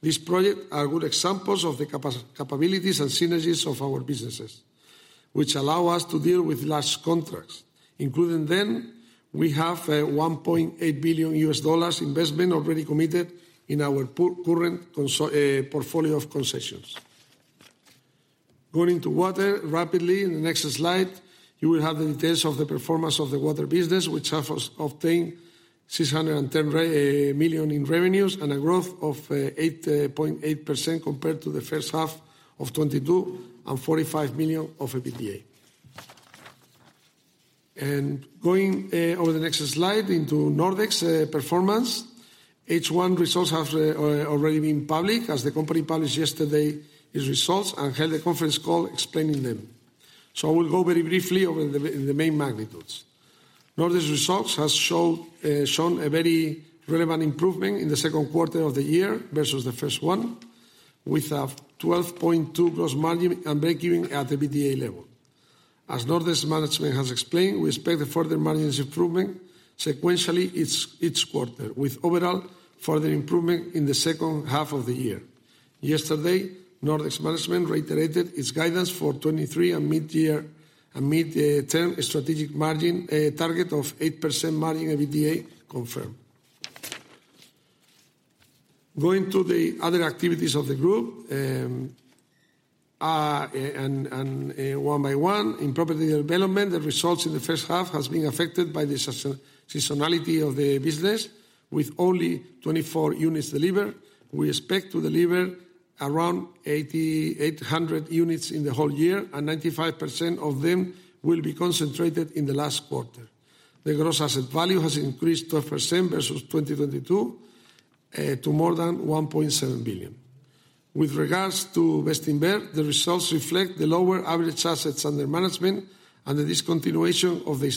These projects are good examples of the capabilities and synergies of our businesses, which allow us to deal with large contracts. Including them, we have $1.8 billion investment already committed in our current portfolio of concessions. Going to water rapidly, in the next slide, you will have the details of the performance of the water business, which has obtained 610 million in revenues and a growth of 8.8% compared to H1 2022, and EUR 45 million of EBITDA. Going over the next slide into Nordex performance. H1 results have already been public, as the company published yesterday its results and held a conference call explaining them. I will go very briefly over the main magnitudes. Nordex results has showed shown a very relevant improvement in the second quarter of the year versus the first one, with a 12.2% gross margin and breakeven at the EBITDA level. As Nordex management has explained, we expect a further margins improvement sequentially each quarter, with overall further improvement in the second half of the year. Yesterday, Nordex management reiterated its guidance for 2023 and mid-year, and mid-term strategic margin target of 8% margin EBITDA confirmed. Going to the other activities of the group, and one by one. In property development, the results in the first half has been affected by the seasonality of the business. With only 24 units delivered, we expect to deliver around 8,800 units in the whole year, and 95% of them will be concentrated in the last quarter. The gross asset value has increased 12% versus 2022, to more than 1.7 billion. With regards to Bestinver, the results reflect the lower average assets under management and the discontinuation of the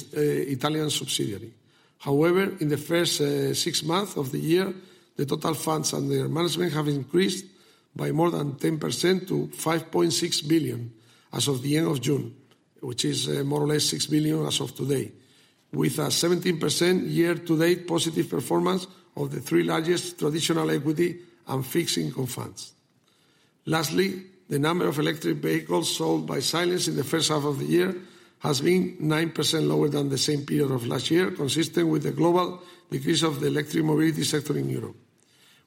Italian subsidiary. However, in the first six months of the year, the total funds under management have increased by more than 10% to 5.6 billion as of the end of June, which is more or less 6 billion as of today, with a 17% year-to-date positive performance of the three largest traditional equity and fixed income funds. Lastly, the number of electric vehicles sold by Silence in the first half of the year has been 9% lower than the same period of last year, consistent with the global decrease of the electric mobility sector in Europe.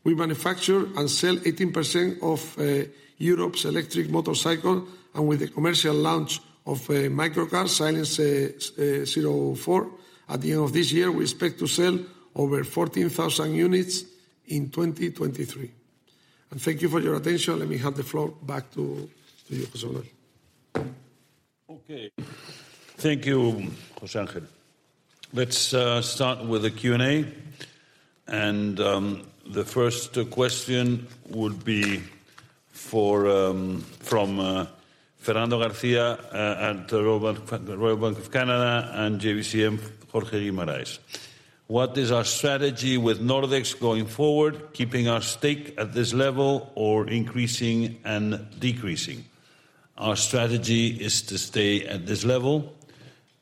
We manufacture and sell 18% of Europe's electric motorcycle, and with the commercial launch of a microcar, Silence 04, at the end of this year, we expect to sell over 14,000 units in 2023. Thank you for your attention. Let me hand the floor back to you, José Manuel. Okay. Thank you, José Ángel. Let's start with the Q&A. The first question would be for from Fernando Garcia, at Royal Bank, Royal Bank of Canada and JBCM, Jorge Guimaraes: What is our strategy with Nordex going forward, keeping our stake at this level or increasing and decreasing? Our strategy is to stay at this level.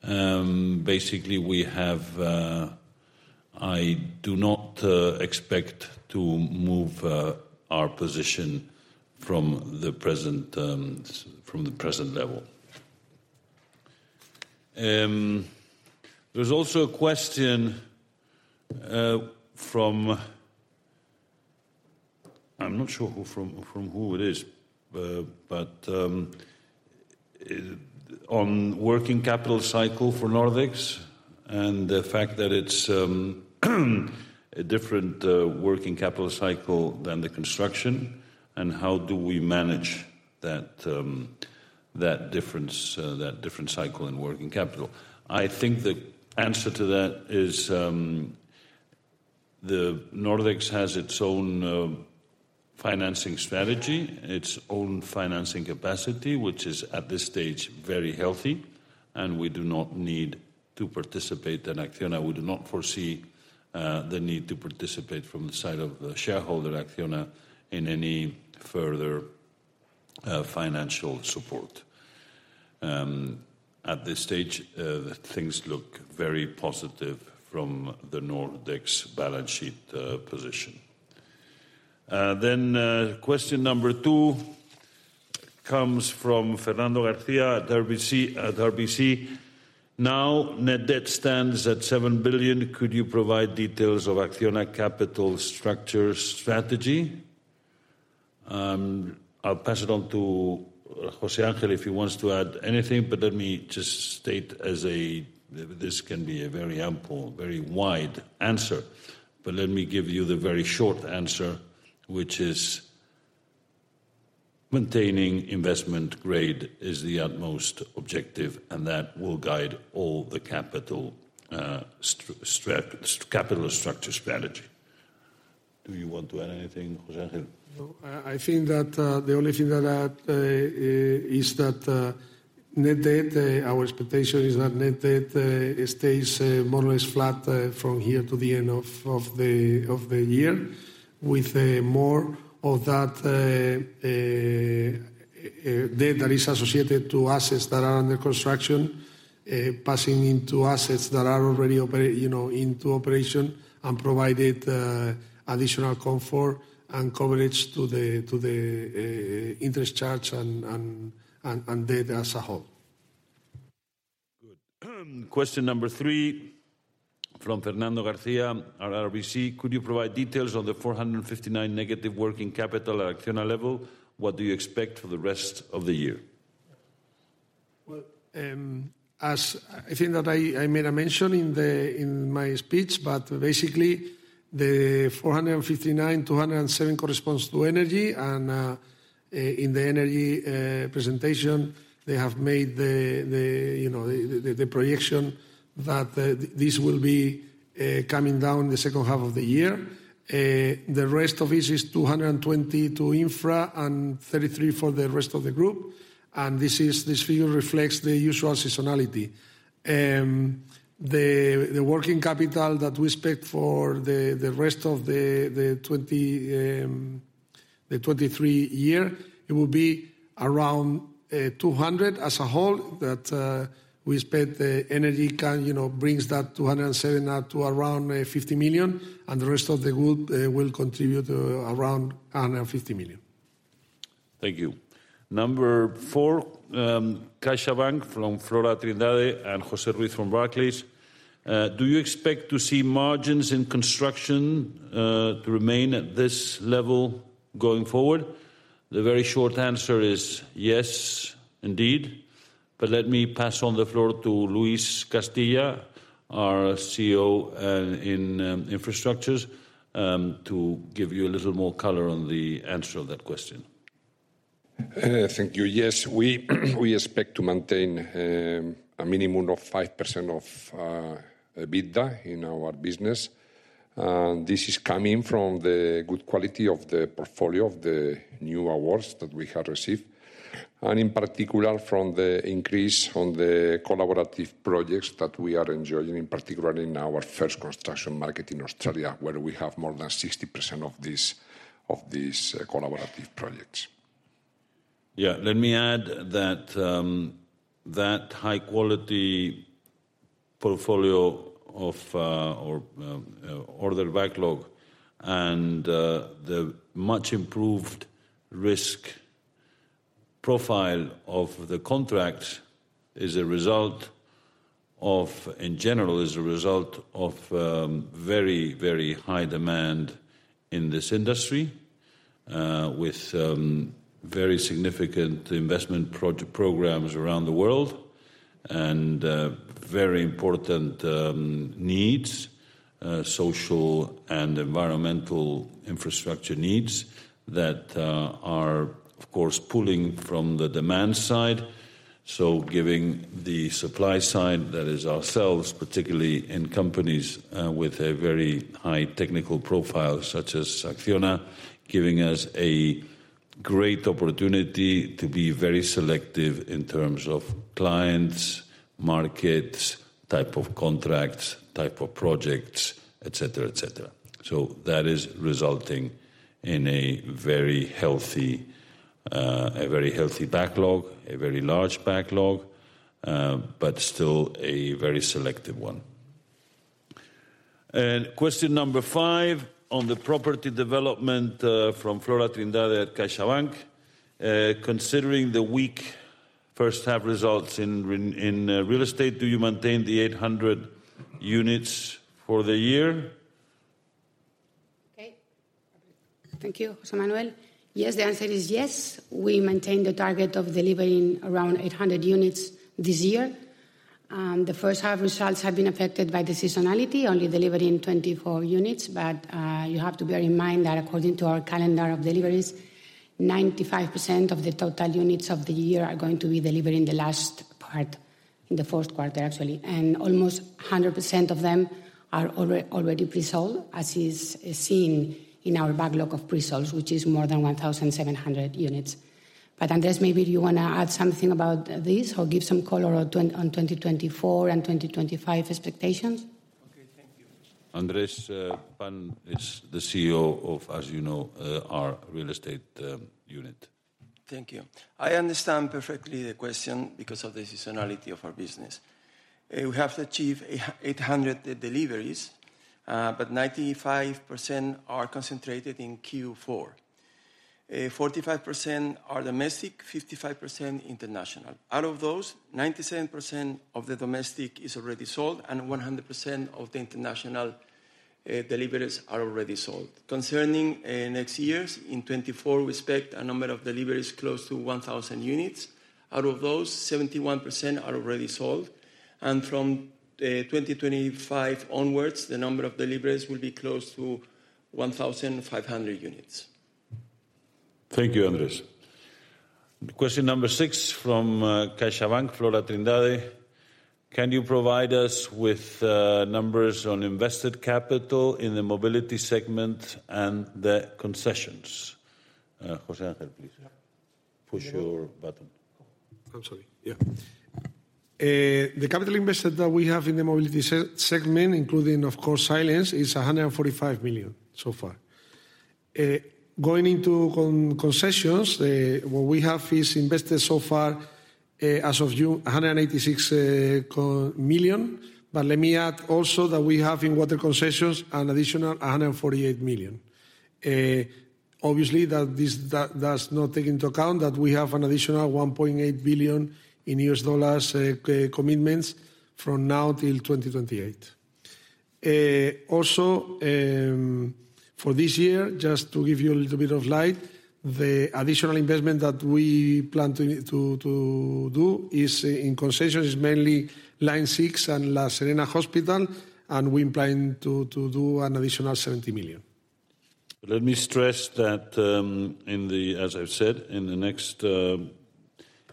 Basically, we have. I do not expect to move our position from the present from the present level. There's also a question from, I'm not sure who from, from who it is, but it, on working capital cycle for Nordex, and the fact that it's a different working capital cycle than the construction, and how do we manage that that difference, that different cycle in working capital? I think the answer to that is, the Nordex has its own financing strategy, its own financing capacity, which is, at this stage, very healthy, and we do not need to participate in Acciona. We do not foresee the need to participate from the side of the shareholder, Acciona, in any further financial support. At this stage, things look very positive from the Nordex balance sheet position. Question number two comes from Fernando Garcia at RBC, at RBC: "Now, net debt stands at 7 billion. Could you provide details of Acciona capital structure strategy?" I'll pass it on to Jose Angel, if he wants to add anything, but let me just state as a... This can be a very ample, very wide answer. Let me give you the very short answer, which is: maintaining investment grade is the utmost objective, and that will guide all the capital structure strategy. Do you want to add anything, José Ángel? No, I, I think that the only thing to add is that net debt, our expectation is that net debt, it stays more or less flat from here to the end of, of the, of the year, with more of that debt that is associated to assets that are under construction, passing into assets that are already operate, you know, into operation, and provided additional comfort and coverage to the, to the, interest charge and, and, and, and debt as a whole. Good. Question number three from Fernando Garcia at RBC: "Could you provide details on the 459 negative working capital at Acciona level? What do you expect for the rest of the year? Well, as I think that I made a mention in my speech, but basically, the 459,207 corresponds to energy. In the energy presentation, they have made the, you know, the projection that this will be coming down the second half of the year. The rest of it is 220 to infra and 33 for the rest of the group, and this figure reflects the usual seasonality. The, the working capital that we expect for the, the rest of the, the 2023 year, it will be around 200 as a whole, that we expect the energy can, you know, brings that 207 up to around 50 million, and the rest of the group will contribute around 150 million. Thank you. Number four, CaixaBank, from Flora Trindade and José Ruiz from Barclays: "Do you expect to see margins in construction to remain at this level going forward?" The very short answer is yes, indeed. Let me pass on the floor to Luis Castilla, our CEO in infrastructures to give you a little more color on the answer of that question. Thank you. Yes, we, we expect to maintain a minimum of 5% of EBITDA in our business. This is coming from the good quality of the portfolio of the new awards that we have received, and in particular, from the increase on the collaborative projects that we are enjoying, in particular in our first construction market in Australia, where we have more than 60% of these, of these, collaborative projects. Yeah, let me add that, that high-quality portfolio of, or, order backlog and the much improved risk profile of the contracts is a result of, in general, is a result of very, very high demand in this industry, with very significant investment programs around the world. Very important needs, social and environmental infrastructure needs that are, of course, pulling from the demand side. Giving the supply side, that is ourselves, particularly in companies with a very high technical profile, such as Acciona, giving us a great opportunity to be very selective in terms of clients, markets, type of contracts, type of projects, et cetera, et cetera. That is resulting in a very healthy, a very healthy backlog, a very large backlog, but still a very selective one. Question number five on the property development from Flora Trindade at CaixaBank. Considering the weak first half results in real estate, do you maintain the 800 units for the year? Okay. Thank you, José Manuel. Yes, the answer is yes. We maintain the target of delivering around 800 units this year. The first half results have been affected by the seasonality, only delivering 24 units. You have to bear in mind that according to our calendar of deliveries, 95% of the total units of the year are going to be delivered in the last part, in the fourth quarter, actually. Almost 100% of them are already presold, as is, is seen in our backlog of presales, which is more than 1,700 units. Andres, maybe do you wanna add something about this, or give some color on 2024 and 2025 expectations? Okay, thank you. Andres Pan is the CEO of, as you know, our real estate unit. Thank you. I understand perfectly the question because of the seasonality of our business. We have to achieve 800 deliveries, but 95% are concentrated in Q4. 45% are domestic, 55% international. Out of those, 97% of the domestic is already sold, and 100% of the international deliveries are already sold. Concerning next years, in 2024, we expect a number of deliveries close to 1,000 units. Out of those, 71% are already sold. And from 2025 onwards, the number of deliveries will be close to 1,500 units. Thank you, Andres. Question number six from CaixaBank, Flora Trindade: Can you provide us with numbers on invested capital in the mobility segment and the concessions? José Ángel, please, push your button. I'm sorry. Yeah. The capital invested that we have in the mobility segment, including, of course, Silence, is 145 million so far. Going into concessions, what we have is invested so far, as of June, 186 million. Let me add also that we have in water concessions an additional 148 million. Obviously, that this does not take into account that we have an additional $1.8 billion commitments from now till 2028. Also, for this year, just to give you a little bit of light, the additional investment that we plan to do is in concessions, is mainly Line six and La Serena Hospital, and we plan to do an additional 70 million. Let me stress that, as I've said, in the next years,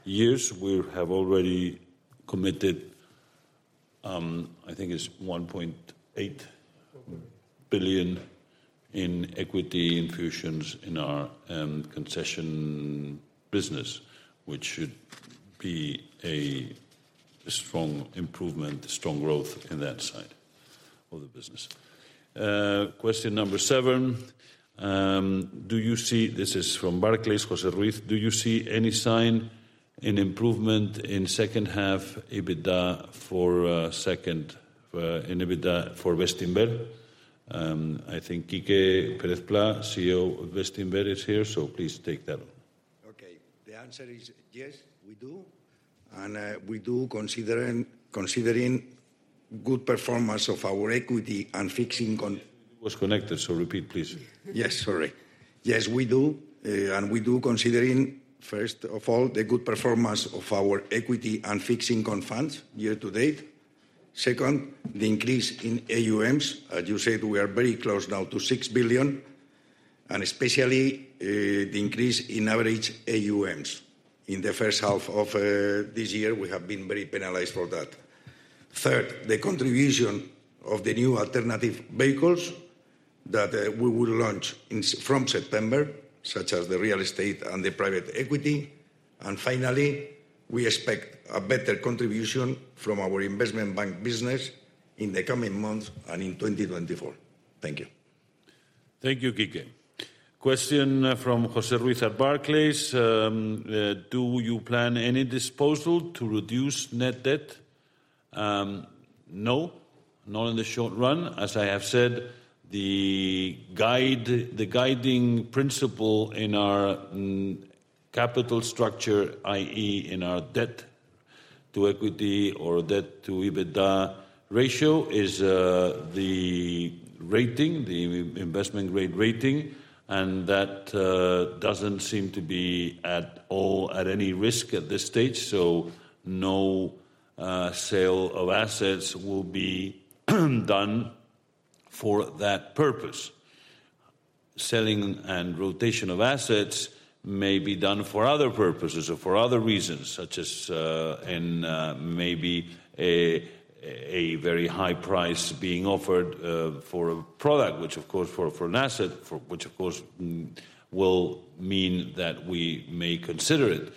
we have already committed, I think it's 1.8 billion in equity infusions in our concession business, which should be a, a strong improvement, strong growth in that side of the business. Question number seven: This is from Barclays, José Ruiz: Do you see any sign in improvement in second half EBITDA for Bestinver? I think Quique Pérez-Plá, CEO of Bestinver, is here, so please take that. Okay. The answer is yes, we do, and, we do, considering, considering good performance of our equity and fixing. It was connected, so repeat, please. Yes, sorry. Yes, we do, and we do, considering, first of all, the good performance of our equity and fixing confands year to date. Second, the increase in AUMs. As you said, we are very close now to 6 billion, and especially, the increase in average AUMs. In H1 2023, we have been very penalized for that. Third, the contribution of the new alternative vehicles that we will launch from September, such as the real estate and the private equity. Finally, we expect a better contribution from our investment bank business in the coming months and in 2024. Thank you. Thank you, Quique. Question from José Ruiz at Barclays: Do you plan any disposal to reduce net debt? No, not in the short run. As I have said, the guide, the guiding principle in our capital structure, i.e., in our debt-to-equity or debt-to-EBITDA ratio, is the rating, the investment-grade rating, and that doesn't seem to be at all at any risk at this stage, so no sale of assets will be done for that purpose. Selling and rotation of assets may be done for other purposes or for other reasons, such as in maybe a very high price being offered for a product, which, of course, for an asset, which, of course, will mean that we may consider it.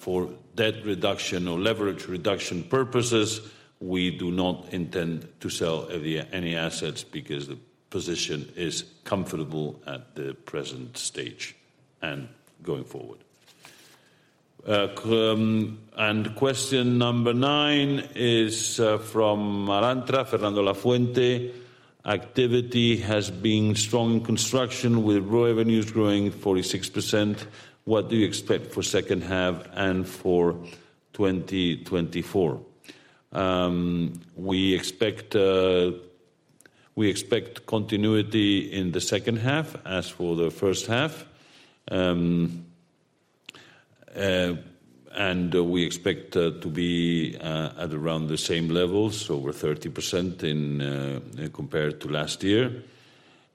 For debt reduction or leverage reduction purposes, we do not intend to sell any assets, because the position is comfortable at the present stage and going forward. Question number nine is from Alantra, Fernando Lafuente: Activity has been strong in construction, with raw revenues growing 46%. What do you expect for second half and for 2024? We expect continuity in the second half as for the first half. We expect to be at around the same levels, over 30% in compared to last year.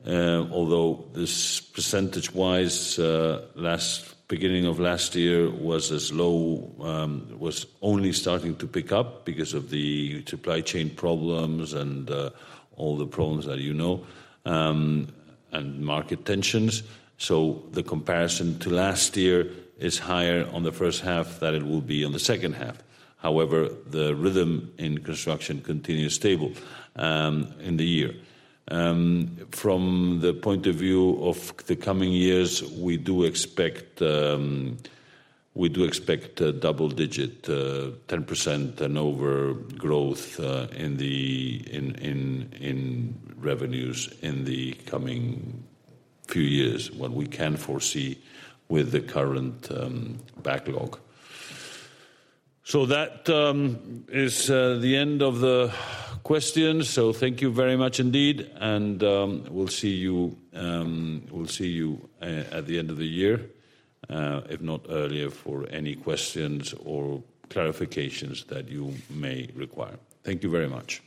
Although this percentage-wise, last, beginning of last year was as low, was only starting to pick up because of the supply chain problems and all the problems that you know, and market tensions. The comparison to last year is higher on the first half than it will be on the second half. However, the rhythm in construction continues stable in the year. From the point of view of the coming years, we do expect, we do expect double digit, 10% and over growth in the revenues in the coming few years, what we can foresee with the current backlog. That is the end of the questions. Thank you very much indeed, and we'll see you, we'll see you at the end of the year, if not earlier, for any questions or clarifications that you may require. Thank you very much.